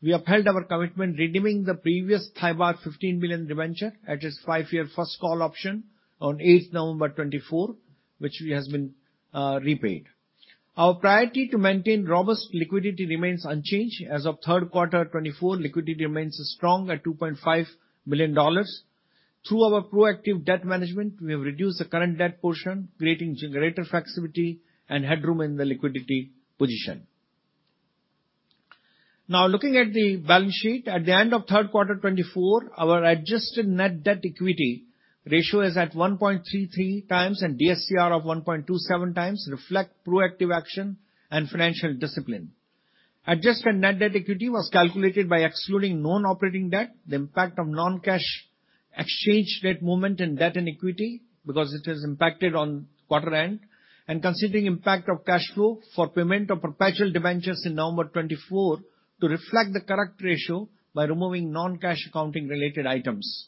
We upheld our commitment redeeming the previous baht 15 billion debenture at its five year first call option on 8th November 2024 which has been repaid. Our priority to maintain robust liquidity remains unchanged as of Q3 2024. Liquidity remains strong at $2.5 million. Through our proactive debt management we have reduced the current debt portion creating greater flexibility and headroom in the liquidity position. Now looking at the balance sheet at the end of Q3 2024, our adjusted net debt equity ratio is at 1.33 times and DSCR of 1.27 times reflect proactive action and financial discipline adjustment. Net debt equity was calculated by excluding non operating debt. The impact of non-cash exchange rate movement in debt and equity because it has impacted on quarter-end and considering impact of cash flow for payment of perpetual debentures in November 2024 to reflect the correct ratio by removing non-cash accounting-related items.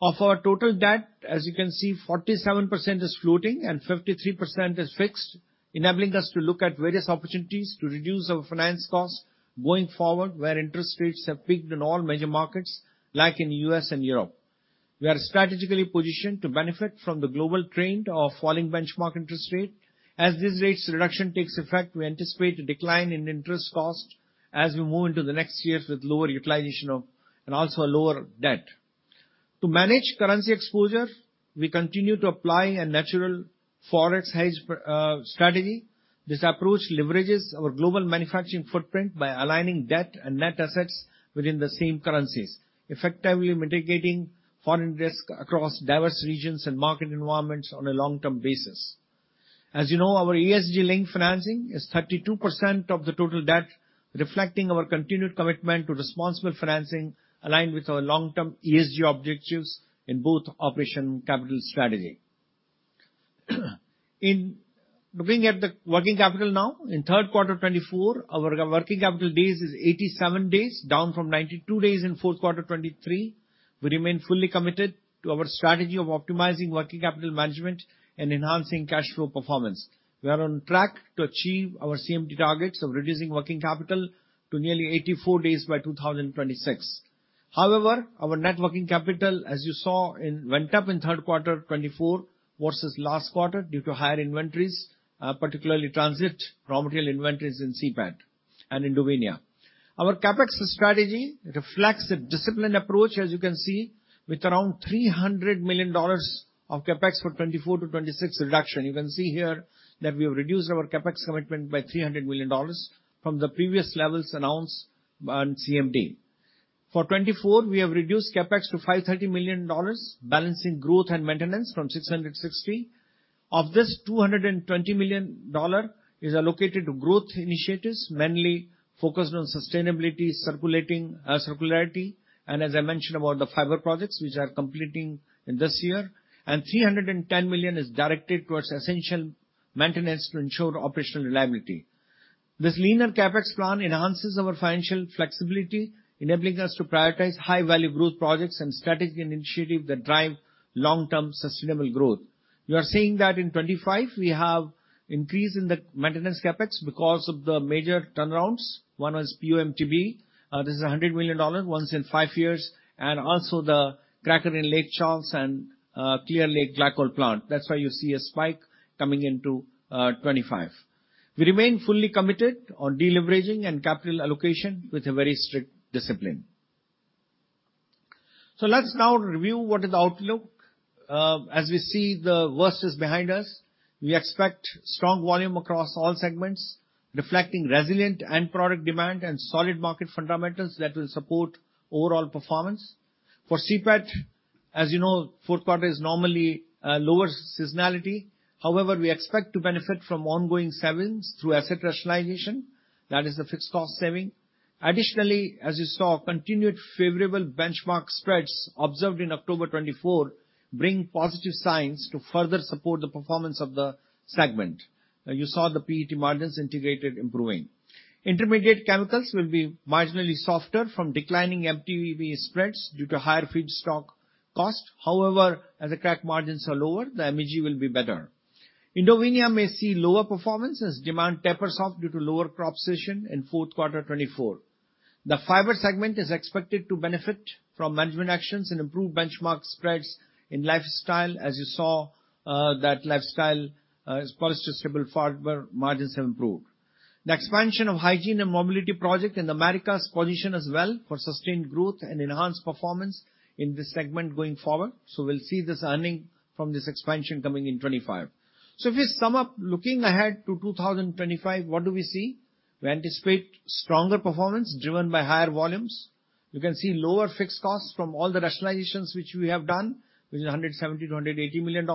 Of our total debt, as you can see 47% is floating and 53% is fixed enabling us to look at various opportunities to reduce our finance cost going forward. Where interest rates have peaked in all major markets like in U.S. and Europe. We are strategically positioned to benefit from the global trend of falling benchmark interest rate as these rates reduction takes effect. We anticipate a decline in interest cost as we move into the next years with lower utilization and also lower debt. To manage currency exposure we continue to apply a natural Forex hedge strategy. This approach leverages our global manufacturing footprint by aligning debt and net assets within the same currencies, effectively mitigating foreign risk across diverse regions and market environments on a long term basis. As you know, our ESG-linked financing is 32% of the total debt reflecting our continued commitment to responsible financing aligned with our long term ESG objectives in both Operation Capital Strategy. In looking at the working capital now in Q3 2024, our working capital days is 87 days down from 92 days in Q4 2023. We remain fully committed to our strategy of optimizing working capital management and enhancing cash flow performance. We are on track to achieve our CMD targets of reducing working capital to nearly 84 days by 2026. However, our net working capital, as you saw, went up in Q3 2024 versus last quarter due to higher inventories, particularly transit raw material inventories in CPET and in Indovinya. Our CapEx strategy reflects a disciplined approach, as you can see, with around $300 million of CapEx for 2024 to 2026 reduction. You can see here that we have reduced our CapEx commitment by $300 million from the previous levels announced for 2024. We have reduced CapEx to $530 million, balancing growth and maintenance from $660. Of this, $220 million is allocated to growth initiatives mainly focused on sustainability, circularity, and as I mentioned about the fiber projects which are completing in this year, and $310 million is directed towards essential maintenance to ensure operational reliability. This leaner CapEx plan enhances our financial flexibility, enabling us to prioritize high value growth projects and strategic initiatives that drive long term sustainable growth. You are seeing that in 2025 we have increase in the maintenance CapEx because of the major turnarounds. One was PO/MTBE. This is $100 million once in five years and also the cracker in Lake Charles and Clear Lake Glycol plant. That's why you see a spike coming into 2025. We remain fully committed on deleveraging and capital allocation with a very strict discipline, so let's now review what is the outlook. As we see, the worst is behind us. We expect strong volume across all segments, reflecting resilient end product demand and solid market fundamentals that will support overall performance for CPET. As you know, Q4 is normally lower seasonality. However, we expect to benefit from ongoing savings through asset rationalization, that is, the fixed cost saving. Additionally, as you saw, continued favorable benchmark spreads observed in October 24th bring positive signs to further support the performance of the segment. You saw the PET margins integrated improving. Intermediate chemicals will be marginally softer from declining MTBE spreads due to higher feedstock costs. However, as the crack margins are lower, the MEG will be better. Indovinya may see lower performance as demand tapers off due to lower crop season in Q4 2024. The fiber segment is expected to benefit from management actions and improved benchmark spreads in lifestyle. As you saw, that lifestyle is positive. Stable fiber margins have improved. The expansion of Hygiene and Mobility project in the Americas position as well for sustained growth and enhanced performance in this segment going forward. We'll see this earning from this expansion coming in 2025. If we sum up looking ahead to 2025, what do we see? We anticipate stronger performance driven by higher volumes. You can see lower fixed costs from all the rationalizations which we have done, which is $170-$180 million,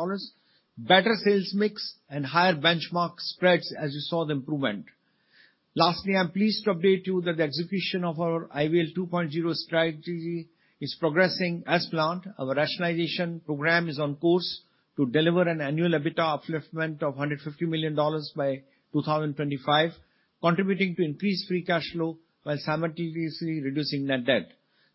better sales mix and higher benchmark spreads as you saw the improvement. Lastly, I'm pleased to update you that the execution of our IVL 2.0 strategy is progressing as planned. Our rationalization program is on course to deliver an annual EBITDA upliftment of $150 million by 2025, contributing to increased free cash flow while simultaneously reducing net debt.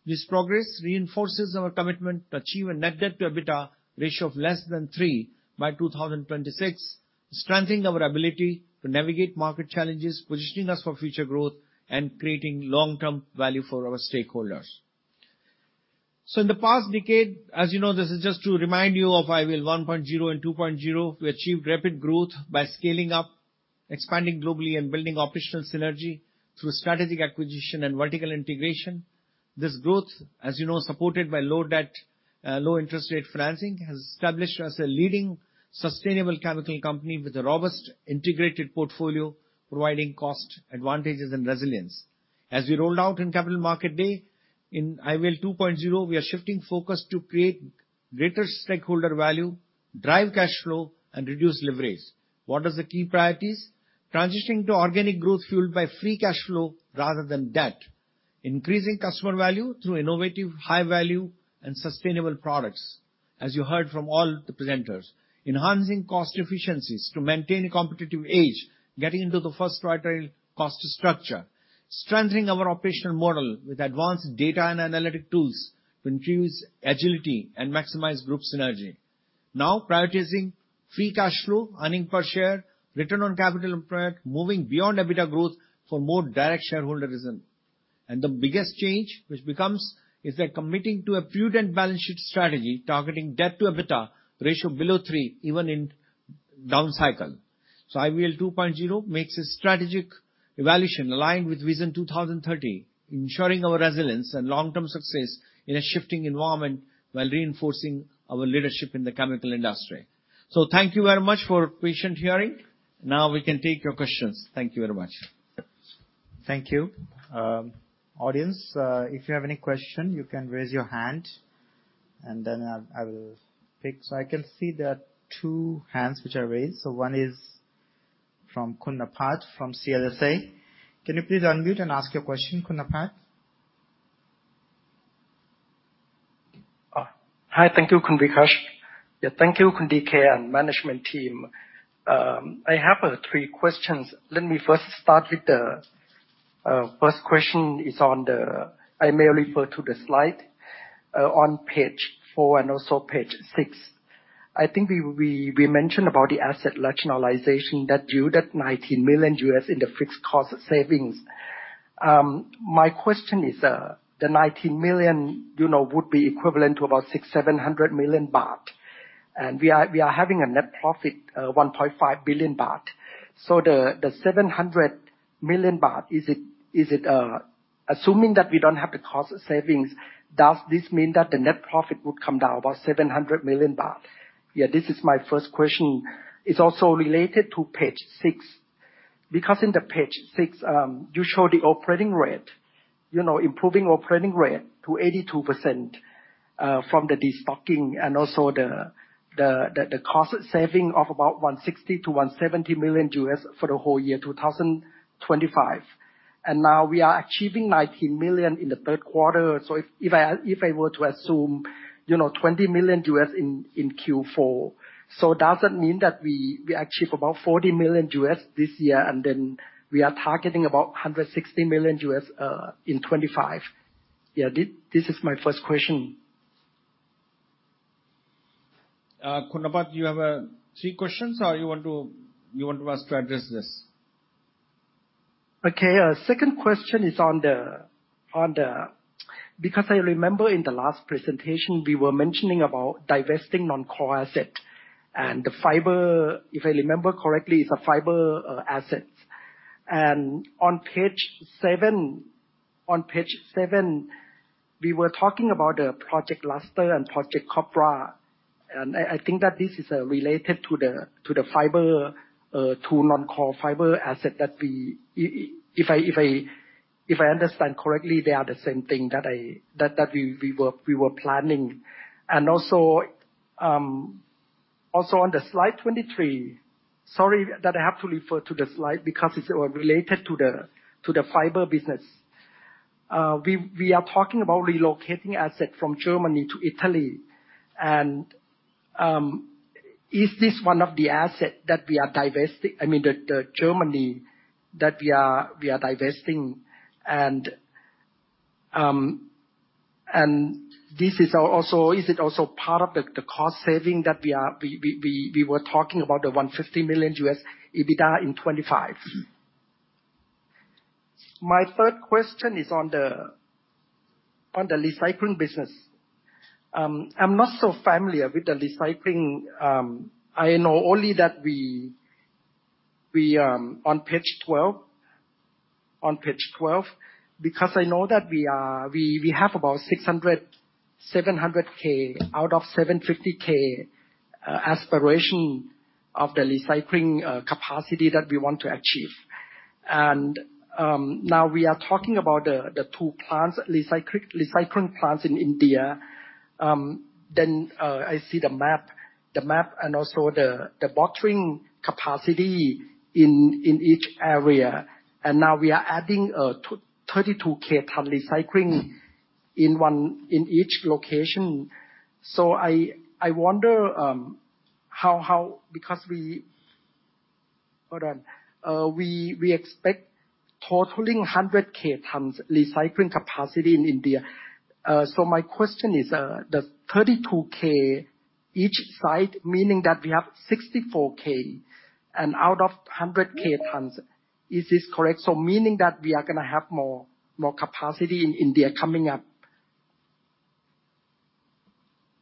This progress reinforces our commitment to achieve a net debt to EBITDA ratio of less than 3 by 2026, strengthening our ability to navigate market challenges, positioning us for future growth and creating long-term value for our stakeholders. So in the past decade, as you know, this is just to remind you of IVL 1.0 and 2.0. We achieved rapid growth by scaling up, expanding globally and building operational synergy through strategic acquisition and vertical integration. This growth, as you know, supported by low debt, low interest rate financing has established us a leading sustainable chemical company with a robust integrated portfolio providing cost advantages and resilience. As we rolled out in Capital Markets Day in IVL 2.0, we are shifting focus to create greater stakeholder value, drive cash flow and reduce leverage. What are the key priorities? Transitioning to organic growth fueled by free cash flow rather than debt, increasing customer value through innovative high value and sustainable products. As you heard from all the presenters, enhancing cost efficiencies to maintain a competitive edge. Getting into the first pillar cost structure. Strengthening our operational model with advanced data and analytic tools to increase agility and maximize group synergy. Now prioritizing free cash flow, earnings per share, return on capital employed. Moving beyond EBITDA growth for more direct shareholderism. And the biggest change which is committing to a prudent balance sheet strategy targeting debt to EBITDA ratio below three even in down cycle. So IVL 2.0 makes a strategic evaluation aligned with Vision 2030 ensuring our resilience and long-term success in a shifting environment while reinforcing our leadership in the chemical industry. So thank you very much for patient hearing. Now we can take your questions. Thank you very much. Thank you, audience, if you have any question you can raise your hand and then I will pick. So I can see there are two hands which are raised. So one is from Kunapat from CLSA. Can you please unmute and ask your question? Kunapat. Hi. Thank you, Kunapat. Thank you, Kunapat, and management team. I have three questions. Let me first start with. The first question is on the. I may refer to the slide on page four and also page six. I think we mentioned about the asset rationalization that due to $19 million in the fixed cost savings. My question is the $19 million, you know, would be equivalent to about 6,700 million baht and we are having a net profit 1.5 billion baht. So the 700 million baht is it? Is it assuming that we don't have the cost savings, does this mean that the net profit would come down about 700 million baht? Yeah, this is my first question. It's also related to page six because in the page six you show the operating rate, you know, improving operating rate to 82% from the destocking and also the cost saving of about $160 million to $170 million for the whole year 2025 and now we are achieving $19 million in the Q3. So if I were to assume you know, $20 million in Q4, so does that mean that we achieve about $40 million this year and then we are targeting about $160 million in 2025? Yeah. This is my first question. Kunapat, you have three questions or you want to address this? Okay, second question is on the. Because I remember in the last presentation we were mentioning about divesting non-core assets and the fiber assets, if I remember correctly, is a fiber assets. And on page seven we were talking about Project Lustre and Project Cobra and I think that this is related to the fiber to non-core fiber assets that we, if I understand correctly, they are the same thing that we were planning. And also. On the slide 23, sorry that I have to refer to the slide because it's related to the fiber business. We are talking about relocating asset from Germany to Italy, and is this one of the asset that we are divesting? I mean Germany that we are divesting. And this is also, is it also part of the cost saving that we were talking about the $150 million EBITDA in 2025. My third question is on the recycling business. I'm not so familiar with the recycling. I know only that we on page. 12, on page 12, because I know that we have about 600-700k out of 750k aspiration of the recycling capacity that we want to achieve. And now we are talking about the two plants, recycling plants in India. Then I see the map, the map and also the bottling capacity in each area. And now we are adding 32k ton recycling in one in each location. So I wonder how because we hold on. We expect totaling 100k tons recycling capacity in India. So my question is the 32k each side meaning that we have 64k and out of 100k tons. Is this correct? So meaning that we are going to have more more capacity in India coming up.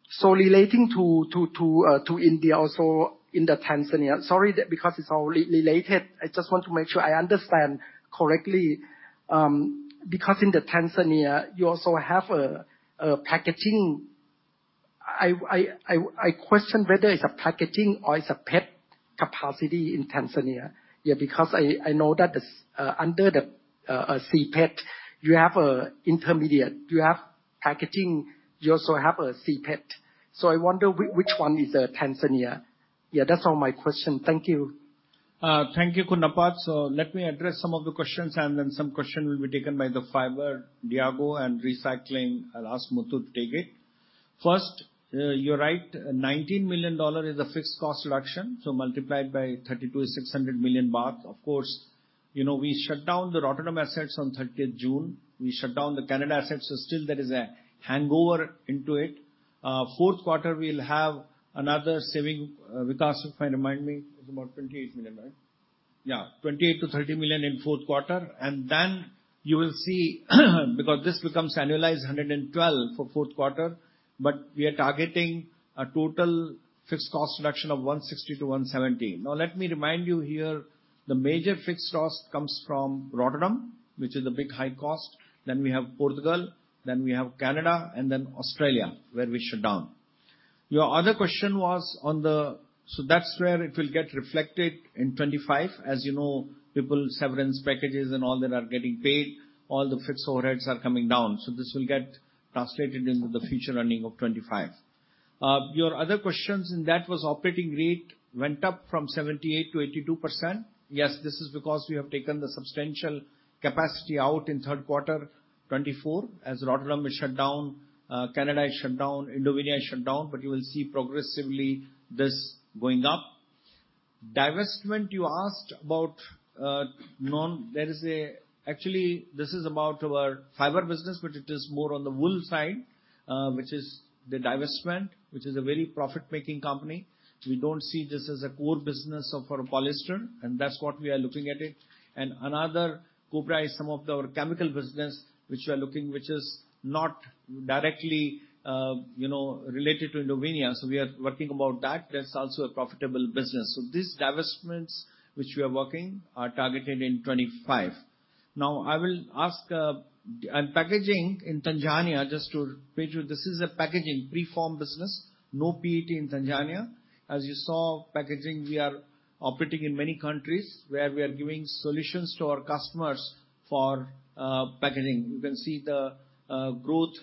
So relating to India also in Tanzania. Sorry because it's all related. I just want to make sure I understand correctly because in Tanzania you also have packaging. I question whether it's packaging or it's PET capacity in Tanzania. Yeah, because I know that under the CPET you have integrated, you have packaging, you also have CPET. So I wonder which one is in Tanzania. Yeah, that's all my question. Thank you. Thank you, Kunapat. So let me address some of the questions and then some questions will be taken by the Fibers Diego and recycling. I'll ask Muthu to take it first. You're right. $19 million is a fixed cost reduction. So multiplied by 32 is 600 million baht. Of course you know we shut down the Rotterdam assets on the 30th of June. We shut down the Canada assets. So still there is a hangover into it. Q4 we'll have another saving, Vikash. If I remind me, it's about 28 million, right? Yeah, 28 to 30 million in Q4. And then you will see because this becomes annualized 112 million for Q4. But we are targeting a total fixed cost reduction of 160 to 170 million. Now let me remind you here, the major fixed cost comes from Rotterdam which is a big high cost. Then we have Portugal, then we have Canada, and then Australia where we shut down. Your other question was on the. So that's where it will get reflected in 2025. As you know, people, severance packages and all that are getting paid. All the fixed overheads are coming down. So this will get translated into the future earnings of 2025. Your other question in that was operating rate went up from 78% to 82%. Yes. This is because we have taken the substantial capacity out in Q3 2024 as Rotterdam shut down, Canada is shut down, Indonesia shut down. But you will see progressively this going up. Divestment you asked about. There is a. Actually this is about our fibers business but it is more on the wool side which is the divestment which is a very profit making company. We don't see this as a core business of our polyester and that's what we are looking at it. And another Cobra is some of our chemical business which we are looking which is not directly, you know, related to Indovinya. So we are working about that. That's also a profitable business. So these divestments which we are working are targeted in 25. Now I will ask and packaging in Tanzania just to. This is a packaging preform business, no PET in Tanzania. As you saw packaging. We are operating in many countries where we are giving solutions to our customers for packaging. You can see the growth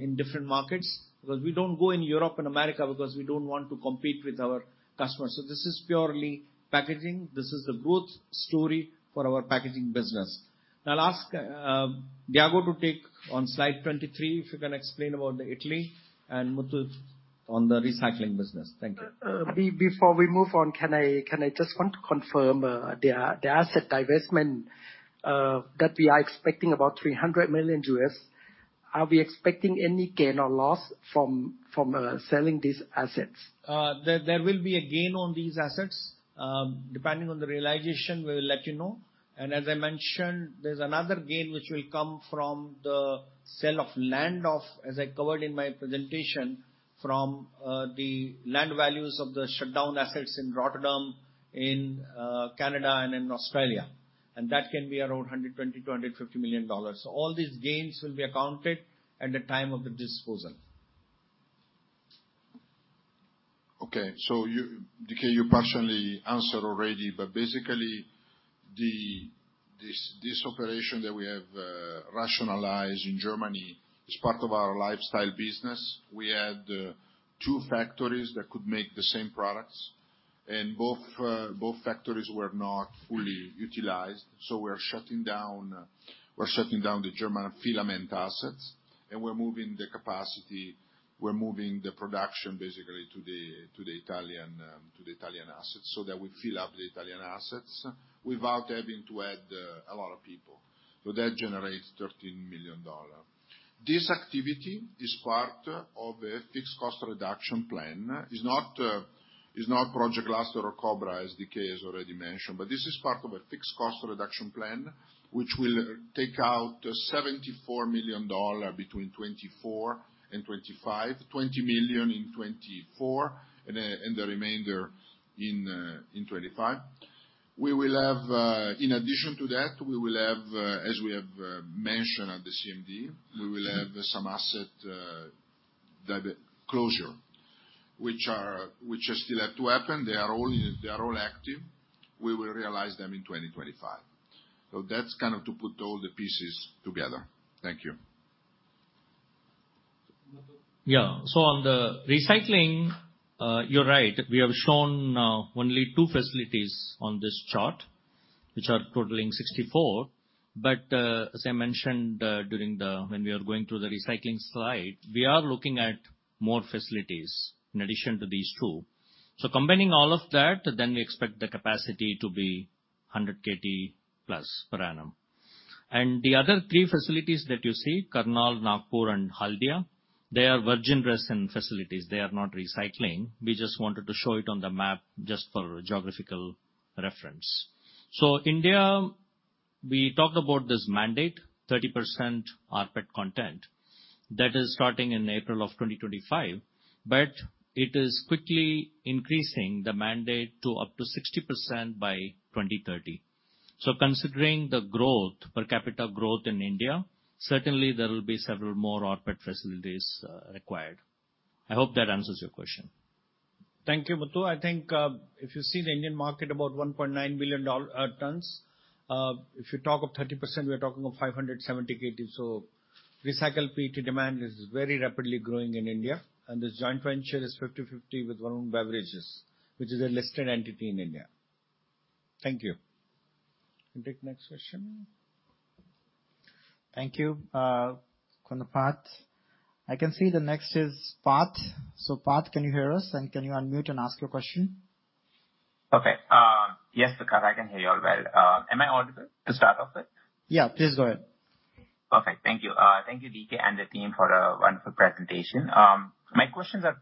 in different markets because we don't go in Europe and America because we don't want to compete with our customers. So this is purely packaging. This is the growth story for our packaging business. Now I'll ask Diego to take on slide 23. If you can explain about Italy and Muthu on the recycling business? Thank you. Before we move on, can I just want to confirm the asset divestment that we are expecting? About $300 million, are we expecting any gain or loss from selling these assets? There will be a gain on these assets depending on the realization. We will let you know. And as I mentioned, there's another gain which will come from the sale of land, as I covered in my presentation, from the land values of the shutdown assets in Rotterdam, in Canada and in Australia. And that can be around $120 million to $150 million. So all these gains will be accounted at the time of the disposal. Okay, so Diego, you partially answered already. But basically this operation that we have rationalized in Germany is part of our lifestyle business. We had two factories that could make the same product and both factories were not fully utilized. So we're shutting down the German filament assets and we're moving the capacity, we're moving the production basically to the Italian assets so that we fill up the Italian assets without having to add a lot of people. So that generates $13 million. This activity is part of a fixed cost reduction plan, is not Project Lustre or Cobra as D.K. has already mentioned, but this is part of a fixed cost reduction plan which will take out $74 million between 2024 and 2025. $20 million in 2024 and the remainder in 2025. In addition to that, we will have, as we have mentioned at the CMD, some asset divestitures which still have to happen. They are all active. We will realize them in 2025. That's kind of to put all the pieces together. Thank you. Yeah. So on the recycling, you're right, we have shown only two facilities on this chart which are totaling 64. But as I mentioned during the when we are going through the recycling slide we are looking at more facilities in addition to these two. So combining all of that then we expect the capacity to be 100kt plus per annum. And the other three facilities that you see, Karnal, Nagpur and Haldia, they are virgin resin facilities. They are not recycling. We just wanted to show it on the map just for geographical reference. India, we talked about this mandate, 30% rPET content that is starting in April of 2025. But it is quickly increasing the mandate to up to 60% by 2030. Considering the per capita growth in India, certainly there will be several more rPET facilities required. I hope that answers your question. Thank you. Muthu. I think if you see the Indian market, about 1.9 billion tonnes. If you talk of 30%, we are talking of 570kt. So recycled PET demand is very rapidly growing in India. And this joint venture is 5050 with Varun Beverages which is a listed entity in India. Thank you. Take next question. Thank you. Kunapat. I can see the next is Parth. So Parth, can you hear us and can you unmute and ask your question? Okay. Yes, sir, I can hear you all well. Am I audible to start off with? Yeah, please go ahead. Okay, thank you. Thank you, D.K. and the team, for a wonderful presentation. My questions are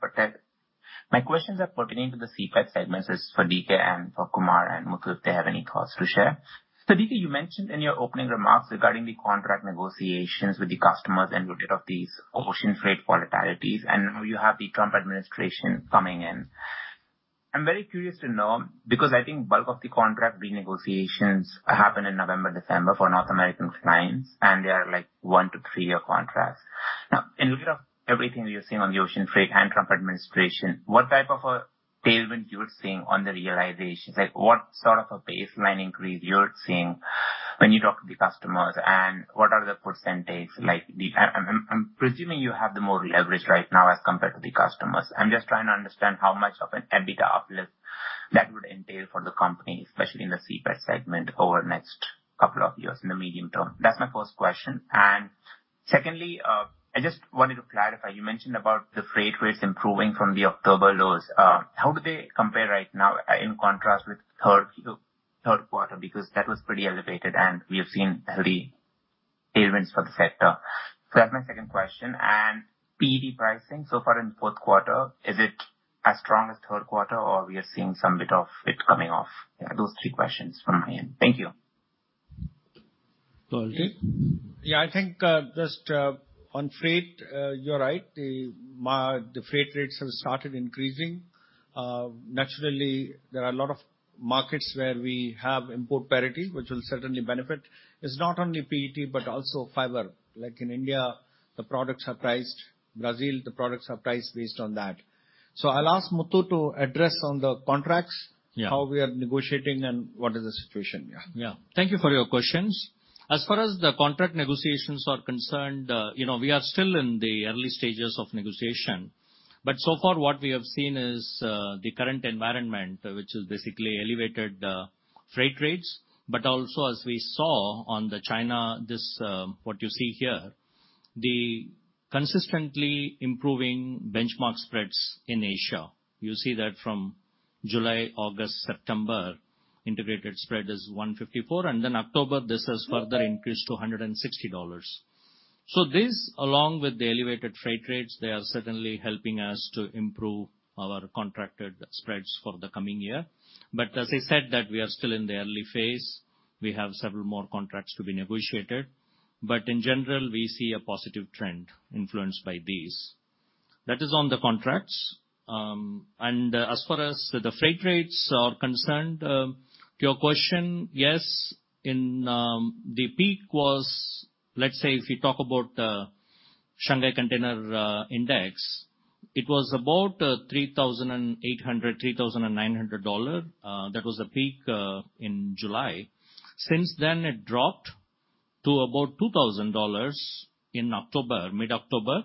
pertaining to the CPET segment for DK and for Kumar and Muthu if they have any thoughts to share. So, D.K., you mentioned in your opening remarks regarding the contract negotiations with the customers and riding out these ocean freight volatilities and you have the Trump administration coming in. I'm very curious to know because I think bulk of the contract renegotiations happen in November, December for North American clients and they are like one to three year contracts. Now in light of everything you're seeing on the ocean freight and Trump administration, what type of a tailwind you're seeing on the realization, what sort of, sort of a baseline increase you're seeing when you talk to the customers and what are the percentage like I'm presuming you have the more leverage right now as compared to the customers? I'm just trying to understand how much of an EBITDA uplift that would entail for the company especially in the CPET segment over next couple of years in the medium term. That's my first question. And secondly I just wanted to clarify you mentioned about the freight rates improving from the October lows. How do they compare right now in contrast with third, Q3 because that was pretty elevated and we have seen healthy tailwinds for the sector? So that's my second question. PET pricing so far in Q4, is it as strong as Q3 or we are seeing some bit of it coming off? Those three questions from my end. Thank you. Yeah, I think just on freight you're right. The freight rates have started increasing naturally. There are a lot of markets where we have import parity which will certainly benefit. It's not only PET but also fiber. Like in India the products are priced. Brazil the products are priced based on that. So I'll ask Muthu to address on the contracts how we are negotiating and what is the situation. Thank you for your questions. As far as the contract negotiations are concerned, you know we are still in the early stages of negotiation but so far what we have seen is the current environment which is basically elevated freight rates, but also as we saw in China, this, what you see here, the consistently improving benchmark spreads in Asia you see that from July, August, September integrated spread is $154 and then October this has further increased to $160. This along with the elevated freight rates is certainly helping us to improve our contracted spreads for the coming year, but as I said that we are still in the early phase. We have several more contracts to be negotiated, but in general we see a positive trend influenced by these, that is, on the contracts and as far as the freight rates are concerned. To your question, yes, in the peak was, let's say, if you talk about Shanghai Container Index, it was about $3,800-$3,900. That was a peak in July. Since then it dropped to about $2,000 in October, mid-October.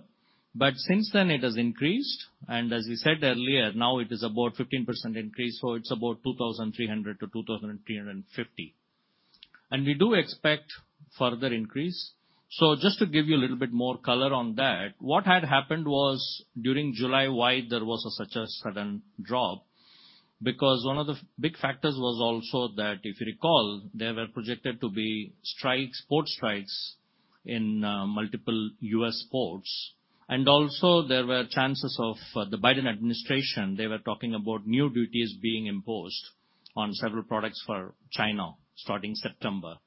But since then it has increased, and as we said earlier, now it is about 15% increase. So it's about $2,300-$2,350, and we do expect further increase. So just to give you a little bit more color on that, what had happened was during July? Why there was such a sudden drop? Because one of the big factors was also that if you recall there were projected to be strikes, port strikes in multiple U.S. ports. And also there were chances of the Biden administration. They were talking about new duties being imposed on several products for China starting September.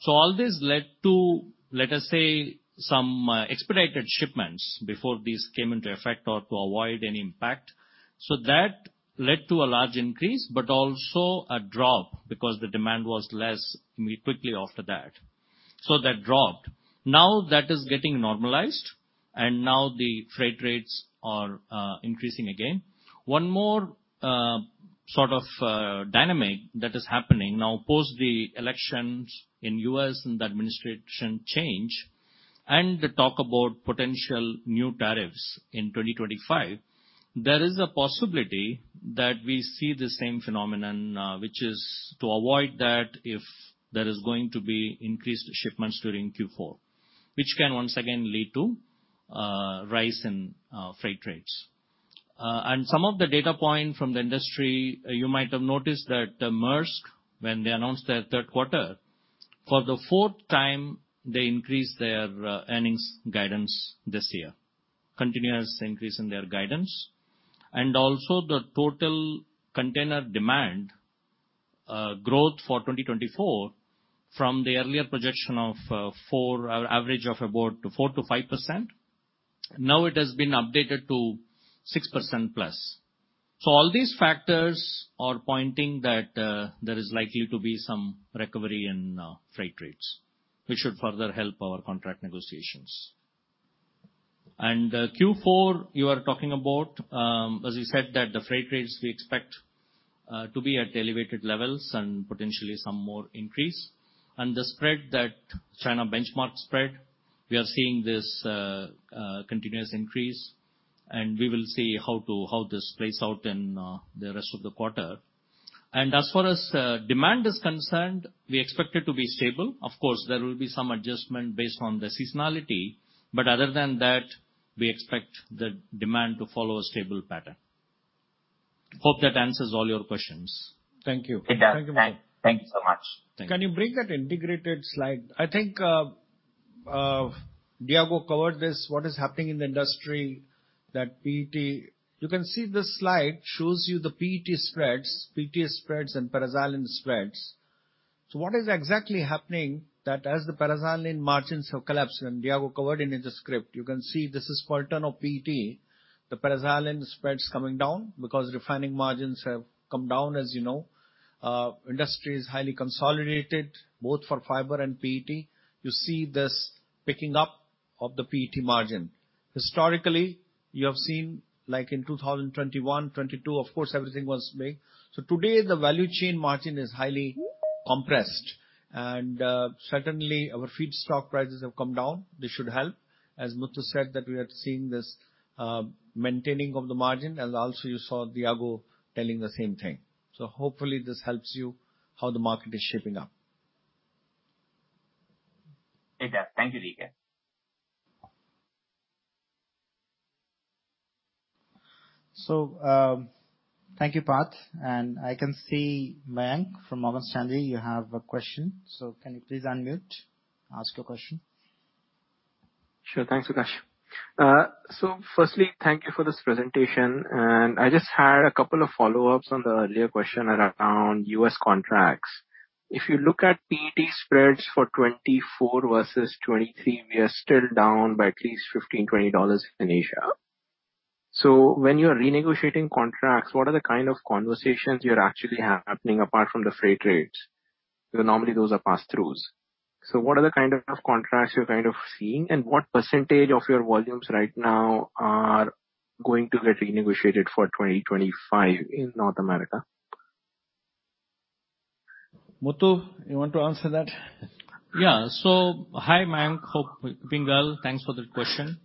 So all this led to let us say some expedited shipments before these came into effect or to avoid any impact. So that led to a large increase but also a drop because the demand was less quickly after that. So that dropped. Now that is getting normalized and now the freight rates are increasing again. One more sort of dynamic that is happening now post the elections in U.S. and the administration change and talk about potential new tariffs in 2025 there is a possibility that we see the same phenomenon which is to avoid that if there is going to be increased shipments during Q4 which can once again lead to rise in freight rates. And some of the data point from the industry you might have noticed that Maersk when they announced their Q3 for the fourth time they increased their earnings guidance this year. Continuous increase in their guidance and also the total container demand growth for 2024 from the earlier projection of average of about 4%-5%. Now it has been updated to 6% plus. So all these factors are pointing that there is likely to be some recovery in freight rates which should further help our contract negotiations. And Q4 you are talking about as you said that the freight rates we expect to be at elevated levels and potentially some more increase and the spread, the China benchmark spread, we are seeing this continuous increase and we will see how this plays out in the rest of the quarter. And as far as demand is concerned we expect it to be stable. Of course there will be some adjustment based on the seasonality but other than that we expect the demand to follow a stable pattern. Hope that answers all your questions? Thank you. Thank you so much. Can you bring that integrated slide? I think Diego covered this. What is happening in the industry, that PET. You can see this slide shows you the PET spreads, PTA spreads and paraxylene spreads. So what is exactly happening that as the paraxylene margins have collapsed and Diego covered in the script you can see this is per ton of PET the paraxylene spreads coming down because refining margins have come down. As you know industry is highly consolidated both for fiber and PET. You see this picking up of the PET margin. Historically you have seen like in 2021, 2022 of course everything was big. So today the value chain margin is highly compressed and certainly our feedstock prices have come down. They should help as Muthu said that we are seeing this maintaining of the margin and also you saw Diego telling the same thing. So hopefully this helps you how the market is shaping up. It does. Thank you,D.K. So, thank you, Parth, and I can see Mayank from Morgan Stanley. You have a question, so can you please unmute and ask your question? Sure. Thanks, Vikash. Firstly, thank you for this presentation, and I just had a couple of follow-ups on the earlier question around U.S. contracts. If you look at PET spreads for 2024 versus 2023, we are still down by at least $15-$20 in Asia. So, when you are renegotiating contracts, what are the kind of conversations you're actually having? Apart from the freight rates, normally those are pass-throughs. So, what are the kind of contracts you're kind of seeing, and what percentage of your volumes right now are going to get renegotiated for 2025 in North America? Muthu, you want to answer that? Yeah. So hi Mayank. Hope all's well, thanks for the question.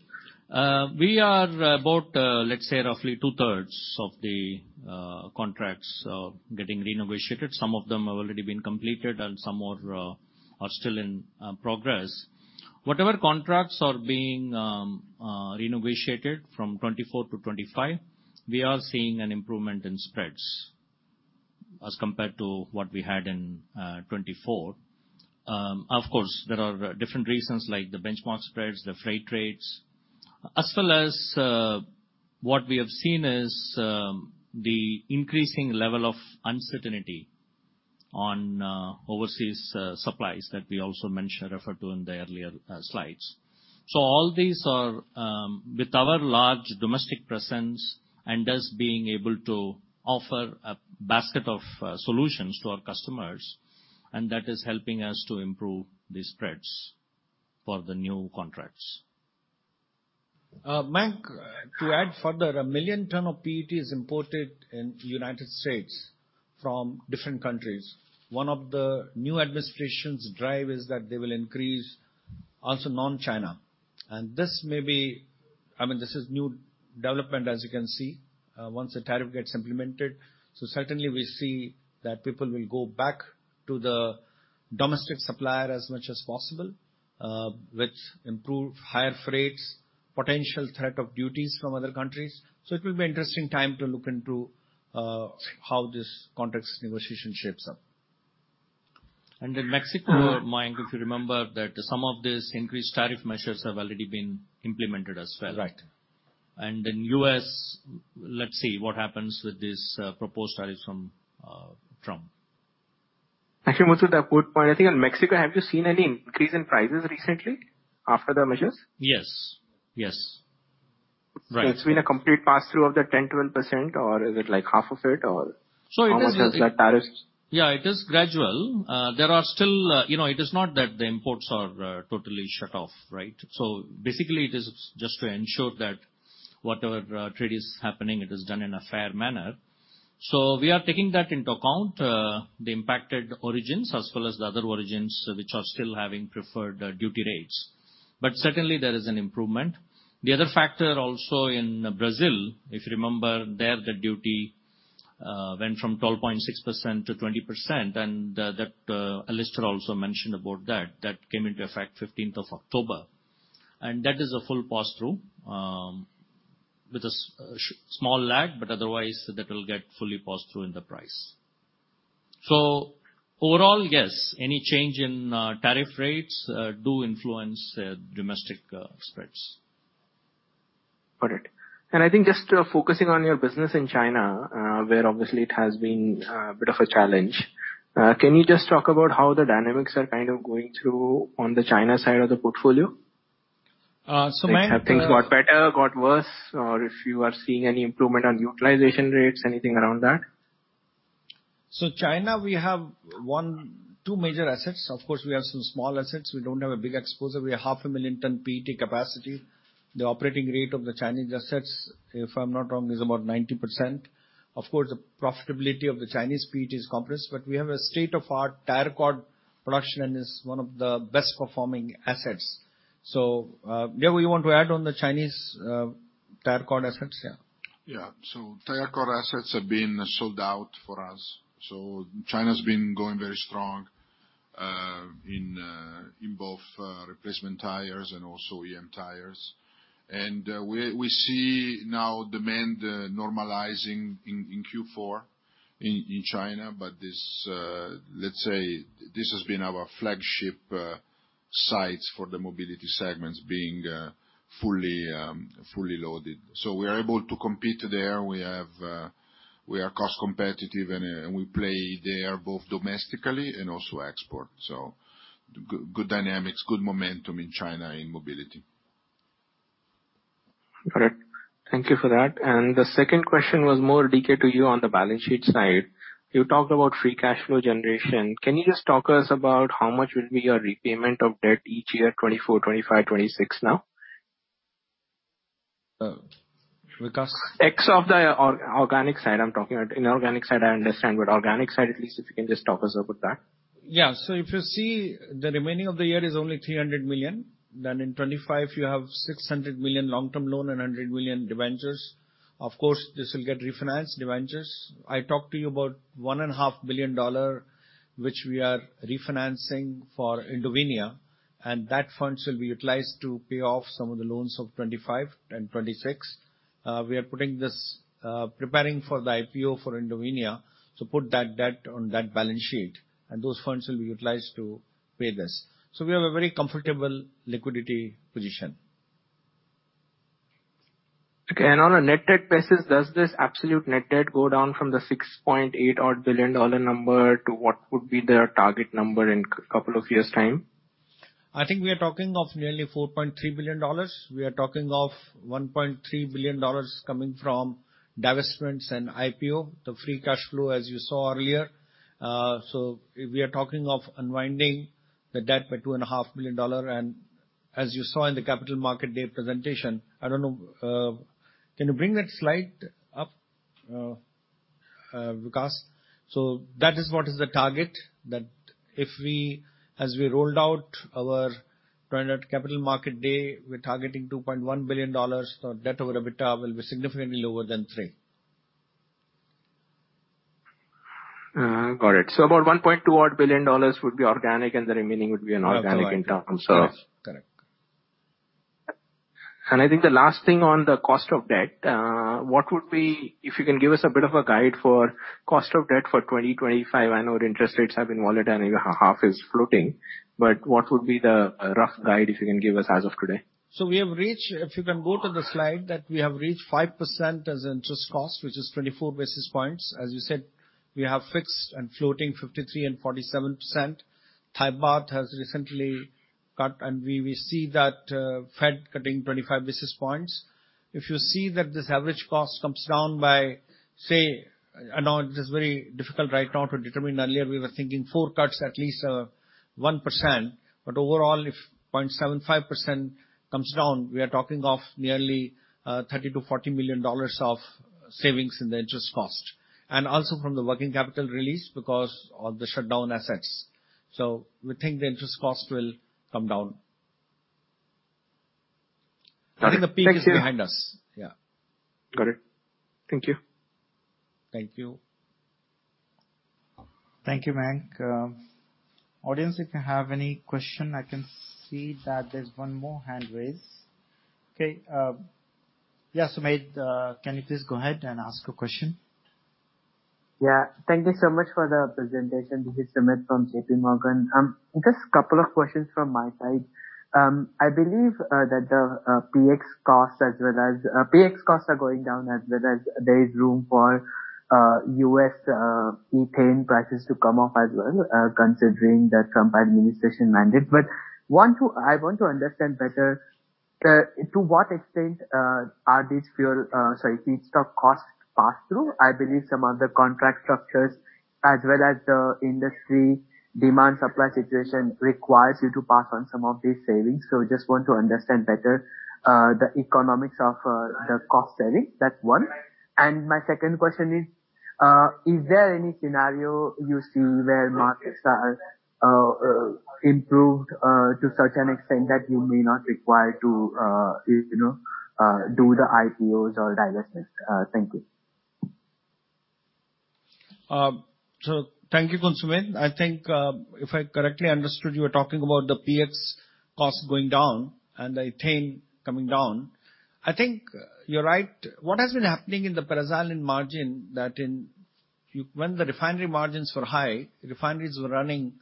We are about, let's say, roughly two-thirds of the contracts getting renegotiated. Some of them have already been completed and some more are still in progress. Whatever contracts are being renegotiated from 2024 to 2025 we are seeing an improvement in spreads as compared to what we had in 2024. Of course there are different reasons like the benchmark spreads, the freight rates as well as what we have seen is the increasing level of uncertainty on overseas supplies that we also mentioned referred to in the earlier slides. So all these are with our large domestic presence and us being able to offer a basket of solutions to our customers and that is helping us to improve the spreads for the new contracts. Mayank to add further, a million tons of PET is imported in United States from different countries. One of the new administration's drive is that they will increase also non-China. And this may be, I mean this is new development as you can see once the tariff gets implemented. So certainly we see that people will go back to the domestic supplier as much as possible with improved higher freights, potential threat of duties from other countries. So it will be interesting time to look into how this contracts negotiation shapes up. In Mexico, if you remember that some of these increased tariff measures have already been implemented as well. Right, and then U.S. let's see what happens with these proposed tariffs from Trump. Actually move to the good point I think on Mexico. Have you seen any increase in prices recently after the measures? Yes, yes. Right. It's been a complete pass through of the 10%-12% or is it like half of it or so it's a tariffs. Yeah, it is gradual. There are still, you know, it is not that the imports are totally shut off. Right. So basically it is just to ensure that whatever trade is happening, it is done in a fair manner. So we are taking that into account, the impacted origins as well as the other origins which are still having preferred duty rates. But certainly there is an improvement. The other factor also in Brazil, if you remember, there, the duty went from 12.6% to 20% and that Alastair also mentioned about that, that came into effect 15th of October and that is a full pass through with a small lag but otherwise that will get fully passed through in the price. So overall, yes, any change in tariff rates do influence domestic spreads. Got it. And I think just focusing on your business in China, where obviously it has been of a challenge, can you just talk about how the dynamics are kind of going through on the China side of the portfolio? Have things got better, got worse or if you are seeing any improvement on utilization rates, anything around that. So, China, we have one, two major assets. Of course we have some small assets. We don't have a big exposure. We have 500,000-ton PET capacity. The operating rate of the Chinese assets, if I'm not wrong, is about 90%. Of course the profitability of the Chinese PET is compressed, but we have a state-of-the-art tire cord production and is one of the best performing assets. So you want to add on the Chinese tire cord assets? Yeah, yeah. So tire cord assets have been sold out for us. So China's been going very strong in both replacement tires and also OEM tires. And we see now demand normalizing in Q4 in China. But this, let's say this has been our flagship sites for the mobility segment being fully loaded. So we are able to compete there. We are cost competitive, and we play there both domestically and also export. So good dynamics, good momentum in China, in mobility. All right, thank you for that. And the second question was more detailed to you. On the balance sheet side you talked about free cash flow generation. Can you just talk to us about how much will be your repayment of debt each year? 2024, 2025, 2026. Now on the organic side I'm talking about. Inorganic side I understand but organic side at least if you just talk us about that. Yeah. If you see the remaining of the year is only $300 million, then in 2025 you have $600 million long-term loan and $100 million debentures. Of course this will get refinanced debentures. I talked to you about $1.5 billion dollar which we are refinancing for Indovinya. And that fund will be utilized to pay off some of the loans of 2025 and 2026. We are putting this preparing for the IPO for Indovinya. So put that debt on that balance sheet and those funds will be utilized to pay this. So we have a very comfortable liquidity position. And on a net debt basis does this absolute net debt go down from the $6.8 billion number to what would be the target number in a couple of years time? I think we are talking of nearly $4.3 billion. We are talking of $1.3 billion coming from divestments and IPO. The free cash flow as you saw earlier, so we are talking of unwinding the debt by $2.5 million. And as you saw in the Capital Markets Day presentation, I don't know, can you bring that slide up? Vikash? So that is what is the target that if we, as we rolled out our Capital Markets Day, we're targeting $2.1 billion. The debt over EBITDA will be significantly lower than 3. Got it. So about 1.2 odd billion dollars would be organic and the remaining would be inorganic. In terms of. And I think the last thing on the cost of debt, what would be if you can give us a bit of a guide for cost of debt for 2025. I know interest rates have been volatile and half is floating. But what would be the rough guide if you can give us as of today? So we have reached, if you can go to the slide, that we have reached 5% as interest cost, which is 24 basis points as you said. We have fixed and floating 53% and 47%. Thai baht has recently cut, and we see that Fed cutting 25 basis points. If you see that this average cost comes down by, say, difficult right now to determine. Earlier we were thinking four cuts, at least 1%. But overall, if 0.75% comes down, we are talking of nearly $30-$40 million of savings in the interest cost and also from the working capital release because of the shutdown assets. So we think the interest cost will come down. I think the peak is behind us. Yeah, got it. Thank you. Thank you. Thank you, man. Audience, if you have any question, I can see that there's one more hand raise. Okay, yeah. Sumit, can you please go ahead and ask a question? Yeah. Thank you so much for the presentation. This is Sumit from JPMorgan. Just couple of questions from my side. I believe that the PX costs are going down as well as there is room for US ethane prices to come off as well considering the Trump administration mandate. But I want to understand better to what extent are these fuel, sorry, feedstock cost pass through? I believe some of the contract structures as well as the industry demand supply situation requires you to pass on some of these savings. So just want to understand better the economics of the cost savings. That's one. My second question is, is there any scenario you see where markets are improved to such an extent that you may not require to, you know, do the IPOs or divestments? Thank you. Thank you. Sumit, I think if I correctly understood you were talking about the PX cost going down and the ethane coming down. I think you're right. What has been happening in the paraxylene margin is that when the refinery margins were high, refineries were running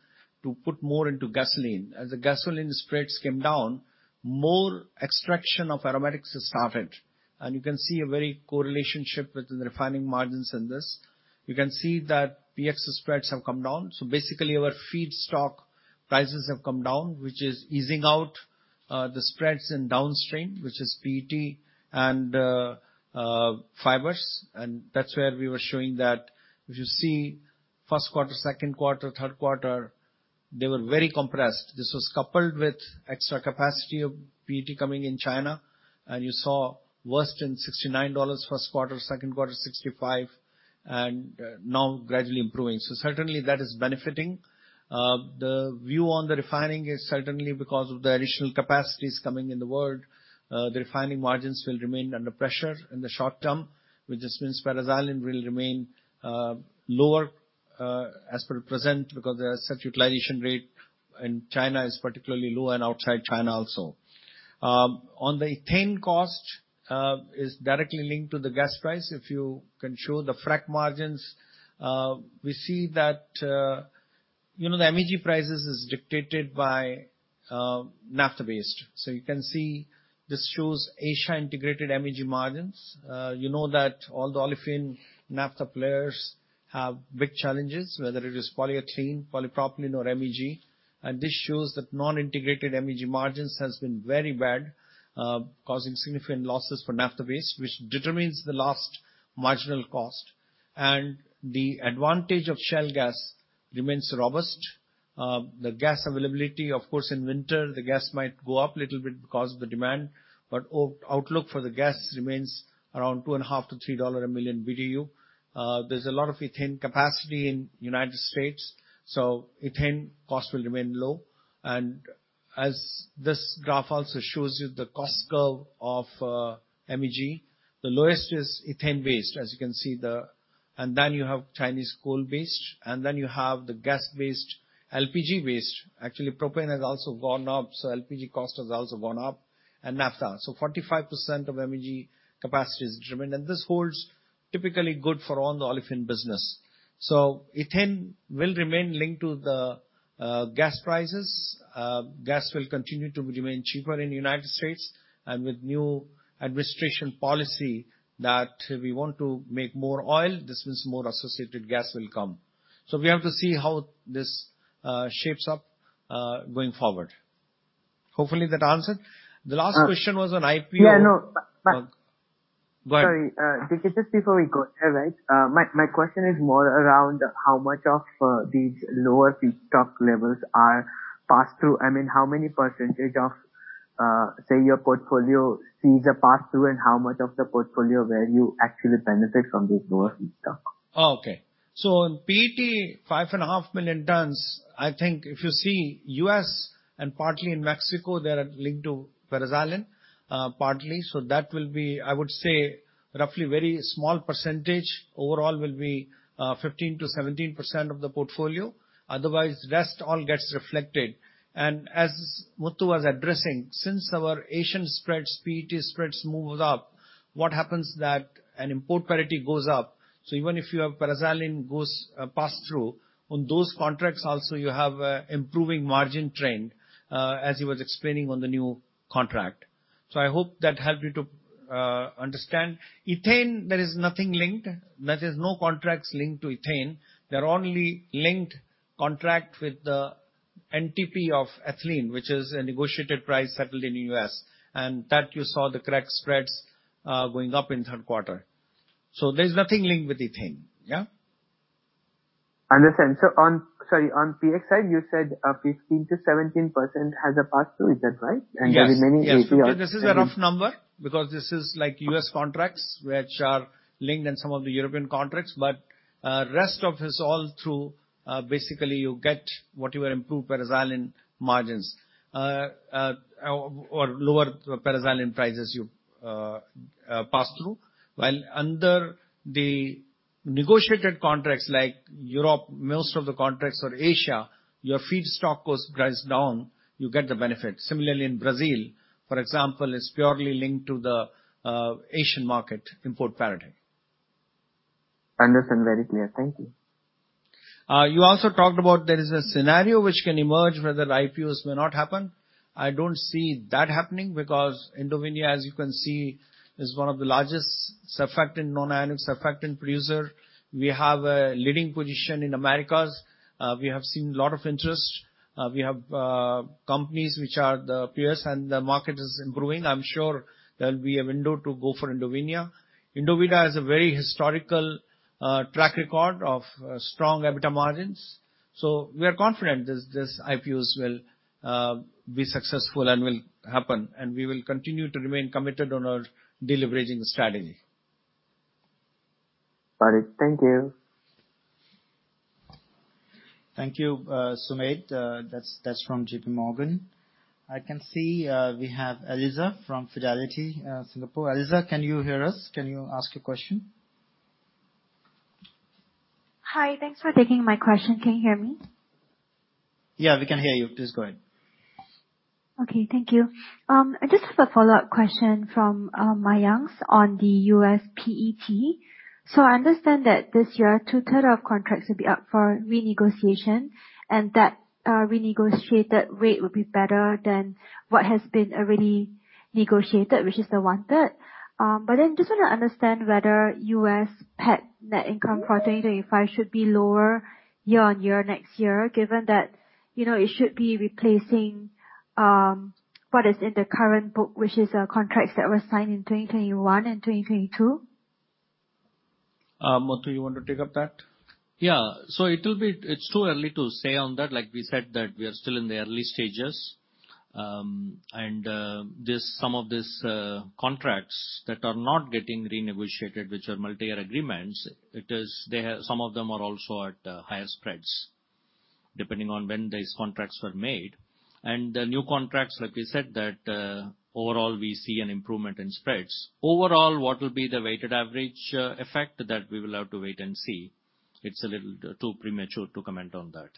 to put more into gasoline. As the gasoline spreads came down, more extraction of aromatics has started. You can see a very strong correlation with the refining margins in this. You can see that PX spreads have come down. Basically our feedstock prices have come down which is easing out the spreads in downstream, which is PET and fibers. That's where we were showing that if you see Q1, Q2, Q3, they were very compressed. This was coupled with extra capacity of PET coming in China and you saw worse than $69 Q1, Q2, $65 and now gradually improving. Certainly that is benefiting the view on the refining is certainly because of the additional capacities coming in the world, the refining margins will remain under pressure in the short term, which just means paraxylene will remain lower as per present because the such utilization rate and China is particularly low. Outside China, also on the ethane cost is directly linked to the gas price. If you can show the crack margins we see that you know the MEG prices is dictated by naphtha based. You can see this shows Asia integrated MEG margins. You know that all the olefin NAFTA players have big challenges whether it is polyethylene, polypropylene or MEG. And this shows that non integrated MEG margins has been very bad causing significant losses for naphtha waste which determines the last marginal cost. And the advantage of shale gas remains robust. The gas availability. Of course in winter the gas might go up little bit because of the demand. But outlook for the gas remains around two and a half to $3 a million BTU. There's a lot of ethane capacity in United States so ethane cost will remain low. And as this graph also shows you the cost curve of MEG the lowest is ethane based as you can see. And then you have Chinese coal based and then you have the gas based, LPG based. Actually propane has also gone up. So LPG cost has also gone up naphtha. So 45% of MEG capacity is determined, and this holds typically good for all the olefin business. So ethane will remain linked to the gas prices. Gas will continue to remain cheaper in the United States. And with new administration policy that we want to make more oil, this means more associated gas will come. So we have to see how this shapes up going forward. Hopefully that answered. The last question was on IPO. Yeah, no, go ahead. Just before we go. All right, my question is more around how much of these lower feedstock levels are passed through. I mean how many percentage of say your portfolio sees a pass through and how much of the portfolio where you actually benefit from this lower feedstock. Okay, so in PET 5.5 million tonnes I think if you see us and partly in Mexico they are linked to PX partly. So that will be I would say roughly very small percentage overall will be 15%-17% of the portfolio. Otherwise rest all gets reflected, and as Muthu was addressing, since our Asian spread PET spreads move up, what happens that an import parity goes up. So even if you have paraxylene goes pass through on those contracts also you have improving margin trend as he was explaining on the new contract. So I hope that helped you to understand that. There is nothing linked, that is, no contracts linked to ethane. There are only linked contract with the NTP of ethylene which is a negotiated price settled in the U.S. and that you saw the correct spreads going up in Q3. So there's nothing linked with the thing. Yeah, understand. So on. Sorry. On PX you said 15%-17% has a pass-through, is that right? And there are many API. This is a rough number because this is like US contracts which are linked in some of the European contracts but rest of is all through. Basically you get whatever improvement in paraxylene margins or lower paraxylene prices you pass through. While under the negotiated contracts like Europe, most of the contracts are Asia. Your feedstock goes down, you get the benefit. Similarly in Brazil for example, it's purely linked to the Asian market import parity. Understand? Very clear, thank you. You also talked about there is a scenario which can emerge whether IPOs may not happen. I don't see that happening. Because Indovinya, as you can see is one of the largest surfactant non-ionic surfactant producer. We have a leading position in Americas. We have seen a lot of interest. We have companies which are the peers and the market is improving. I'm sure there will be a window to go for Indovinya. Indovinya has a very historical track record of strong EBITDA margins. So we are confident this IPOs will be successful and will happen and we will continue to remain committed on our deleveraging strategy. Got it. Thank you. Thank you. Sumit.That's from JPMorgan. I can see we have Eliza from Fidelity. Eliza, can you hear us? Can you ask a question? Hi, thanks for taking my question. Can you hear me? Yeah, we can hear you. Please go ahead. Okay, thank you. I just have a follow-up question from Mayank on the U.S. PET. So I understand that this year 2/3 of contracts will be up for renegotiation and that renegotiated rate would be better than what has been already negotiated which is the 1/3. But then just want to understand whether US PET net income for 2025 should be lower year on year next year given that, you know, it should be replacing what is in the current book, which is contracts that were signed in 2021 and 2022. Muthu, you want to take up that? Yeah. So it will be. It's too early to say on that. Like we said that we are still in the early stages and some of these contracts that are not getting renegotiated, which are multi-year agreements, some of them are also at higher spreads depending on when these contracts were made and the new contracts. Like we said that overall we see an improvement in spreads overall. What will be the weighted average effect? That we will have to wait and see. It's a little too premature to comment on that.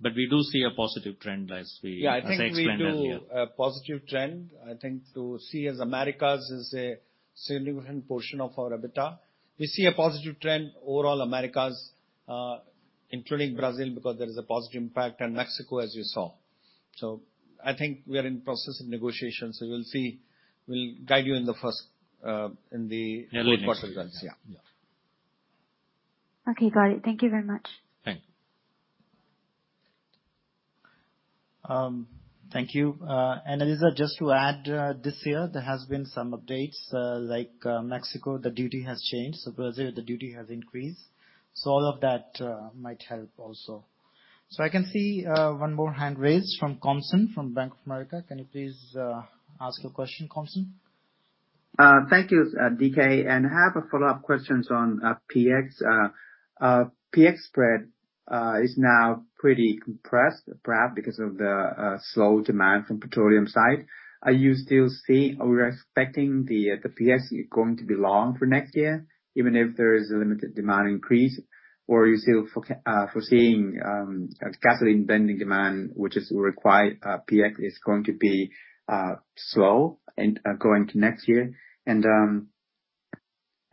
But we do see a positive trend as we explained earlier. A positive trend, I think, to see as Americas is a significant portion of our EBITDA. We see a positive trend overall. Americas including Brazil because there is a positive impact and Mexico as you saw. So I think we are in process of negotiations. So you will see we'll guide you in the first. In the. Yeah, okay, got it. Thank you very much. Thank you. Thank you. And Eliza, just to add this year there has been some updates like Mexico the duty has changed. So Brazil the duty has increased. So all of that might help also. So I can see one more hand raised from Komsan from Bank of America. Can you please ask your question, Komsan? Thank you. D.K. and I have follow-up questions on PX. PX spread is now pretty compressed perhaps because of the slow demand from petroleum side. Are you still seeing, are you expecting the PX going to be long for next year even if there is a limited demand increase? Or are you still foreseeing gasoline blending. Demand which is required? PX is going to be slow going into next year. On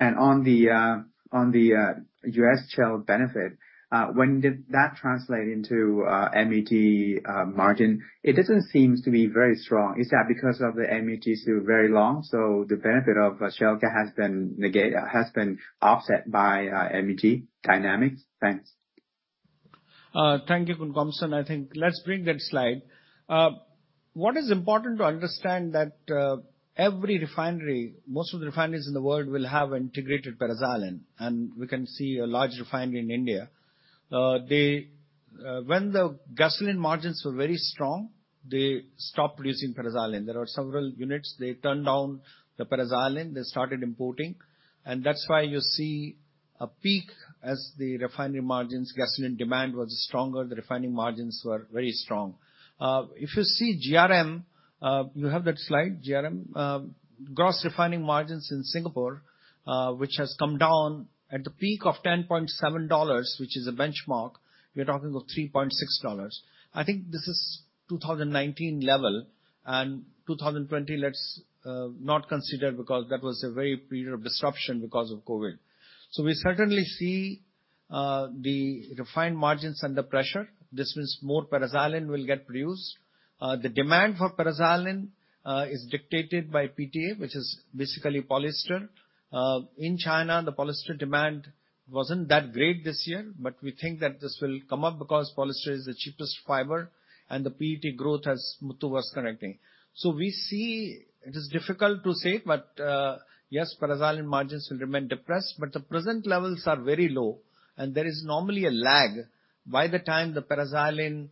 the U.S. shale benefit, when did that translate into MEG margin? It doesn't seem to be very strong. Is that because of the MEG still very long. So the benefit of shale gas has been. Negative has been offset by MEG dynamics. Thanks. Thank you. I think let's bring that slide. What is important to understand that every refinery, most of the refineries in the world will have integrated paraxylene. And we can see a large refinery in India when the gasoline margins were very strong, they stopped producing paraxylene. There are several units they turned down the paraxylene they started importing. And that's why you see a peak as the refinery margins. Gasoline demand was stronger, the refining margins were very strong. If you see GRM, you have that slide GRM gross refining margins in Singapore, which has come down at the peak of $10.7 which is a benchmark. We are talking of $3.6. I think this is 2019 level and 2020 let's not consider because that was a very period of disruption because of COVID, so we certainly see the refining margins under pressure. This means more paraxylene will get produced. The demand for paraxylene is dictated by PTA which is basically polyester. In China the polyester demand wasn't that great this year, but we think that this will come up because polyester is the cheapest fiber and the PET growth has towards consumption. So we see it is difficult to say but yes, paraxylene margins will remain depressed, but the present levels are very low, and there is normally a lag by the time the paraxylene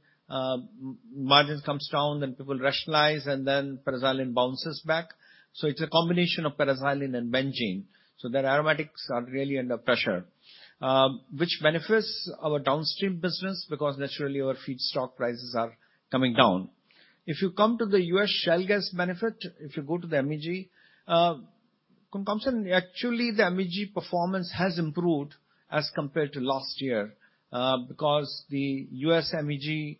margin comes down, then people rationalize and then xylene bounces back. So it's a combination of paraxylene and benzene, so that aromatics are really under pressure which benefits our downstream business. Because naturally our feedstock prices are coming down. If you come to the U.S. shale gas benefit, if you go to the MEG margins, actually the MEG performance has improved as compared to last year. Because the U.S. MEG,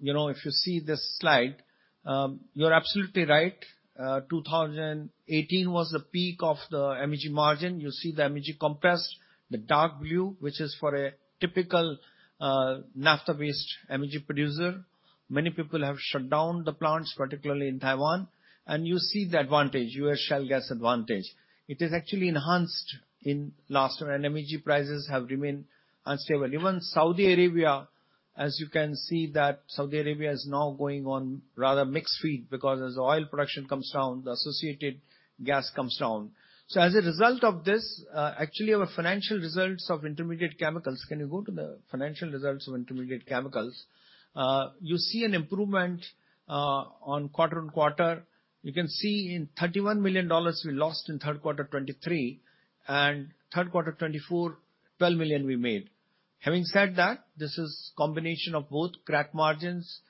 you know if you see this slide, you're absolutely right. 2018 was the peak of the MEG margin. You see the MEG compressed the dark blue which is for a typical naphtha-based energy producer. Many people have shut down the plants, particularly in Taiwan, and you see the advantage U.S. shale gas advantage. It is actually enhanced in last year, and MEG prices have remained unstable. Even Saudi Arabia, as you can see that Saudi Arabia is now going on rather mixed feed because as oil production comes down, the associated gas comes down. So as a result of this actually our financial results of intermediate chemicals. Can you go to the financial results of intermediate chemicals? You see an improvement on quarter-on-quarter. You can see we lost $31 million in Q3 2023 and we made $12 million in Q3 2024. Having said that, this is combination of both crack margins,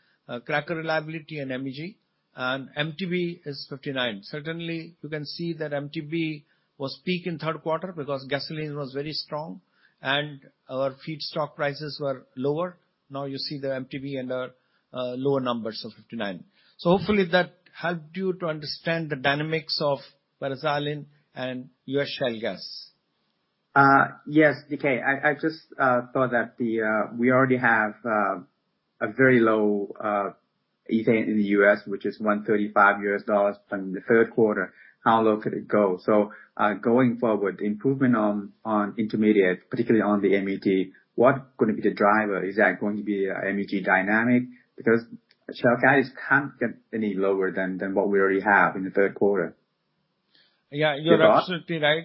cracker reliability and MEG and MTBE is 59. Certainly you can see that MTBE was peak in Q3 because gasoline was very strong and our feedstock prices were lower. Now you see the MTBE and our lower numbers of 59. So hopefully that helped you to understand the dynamics of paraxylene and U.S. shale gas. Yes, D.K., I just thought that welre already have a very low ethane in. The U.S., which is $135 per ton in the Q3. How low could it go? So going forward, improvement on intermediate, particularly on the MEG. What's going to be the driver? Is that going to be MEG dynamics? Because the spreads can't get any lower than what we already have in the Q3. Yeah, you're absolutely right.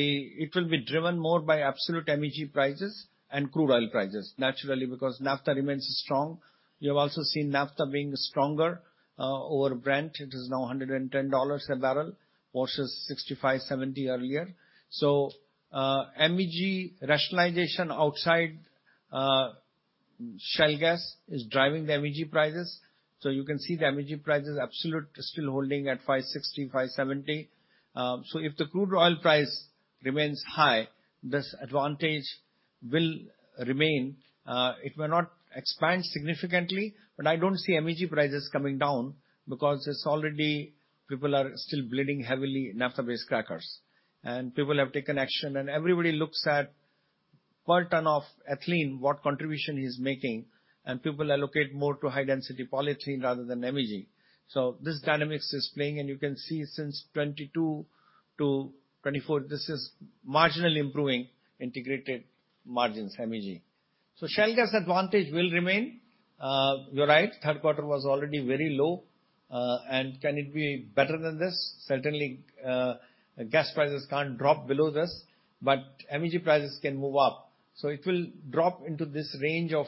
It will be driven more by absolute MEG prices and crude oil prices. Naturally, because naphtha remains strong. You have also seen Naphtha being stronger over Brent. It is now $110 a barrel versus 6,570 earlier. So MEG rationalization outside shale gas is driving the MEG prices. So you can see the MEG prices absolute still holding at $560-$570. So if the crude oil price remains high, disadvantage will remain. It may not expand significantly but I don't see MEG prices coming down because it's already people are still bleeding heavily naphtha based crackers and people have taken action and everybody looks at per ton of ethylene what contribution he's making and people allocate more to high density polyethylene rather than meg. So this dynamics is playing and you can see since 2022 to 2024 this is marginally improving integrated margins meg. So shale gas advantage will remain. You're right, Q3 was already very low. And can it be better than this? Certainly gas prices can't drop below this but MEG prices can move up. So it will drop into this range of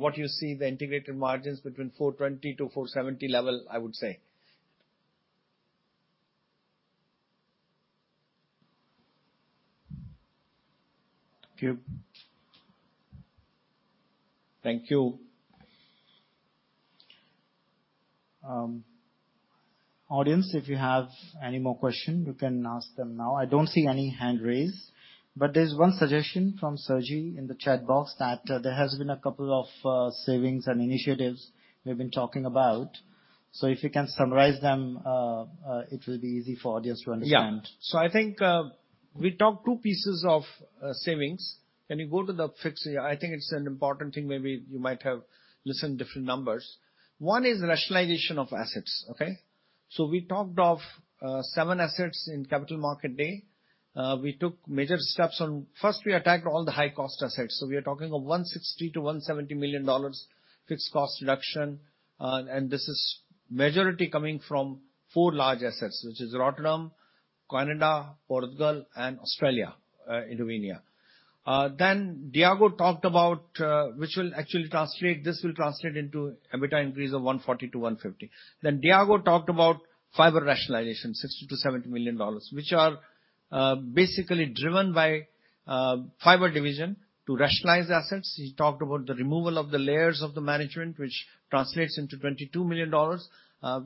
what you see the integrated margins between $420-$470 level. I would say. Thank you. Audience. If you have any more question you can ask them now. I don't see any hand raised but there's one suggestion from Sergey in the chat box that there has been a couple of savings and initiatives we've been talking about. So if you can summarize them it. Will be easy for audience to understand. I think we talked two pieces of savings. Can you go to the fixed? I think it's an important thing. Maybe you might have listened different numbers. One is rationalization of assets. Okay, so we talked of seven assets in Capital Markets Day. We took major steps on first we attacked all the high cost assets. So we are talking of $160-$170 million fixed cost reduction. And this is majority coming from four large assets which is Rotterdam, Canada, Portugal and Australia. Then Diego talked about which will actually translate. This will translate into EBITDA increase of $140 to $150. Then Diego talked about fiber rationalization $60 to $70 million dollars which are basically driven by fiber division to rationalize assets. He talked about the removal of the layers of the management which translates into $22 million.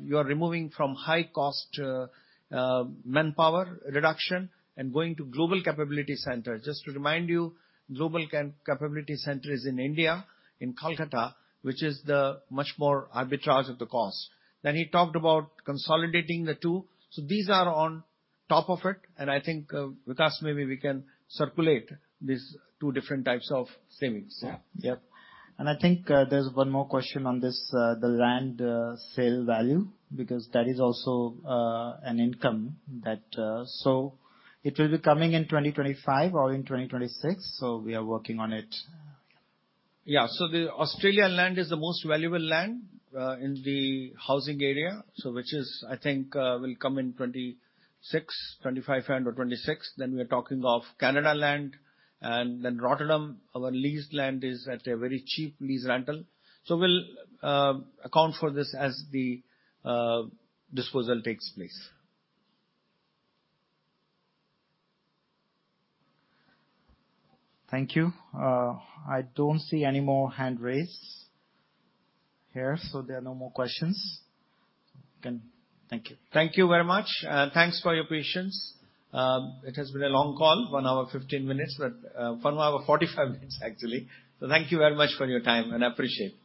You are removing from high cost manpower reduction and going to Global Capability Center. Just to remind you, Global Capability Center is in India in Calcutta, which is the much more arbitrage of the cost. Then he talked about consolidating the two, so these are on top of it. I think Vikash, maybe we can circulate these two different types of savings. Yep. I think there's one more question on this. The land sale value because that is also an income, so it will be coming in 2025 or in 2026. We are working on it. Yeah. The Australian land is the most valuable land in the housing area, so which is I think will come in 2026,2025 and or 2026. We are talking of Canada land and then Rotterdam. Our leased land is at a very cheap lease rental. So we'll account for this as the disposal takes place. Thank you. I don't see any more hand raised here. So there are no more questions. Thank you very much. Thanks for your patience. It has been a long call, one hour 15 minutes but one hour 45 minutes actually. So thank you very much for your time and appreciate.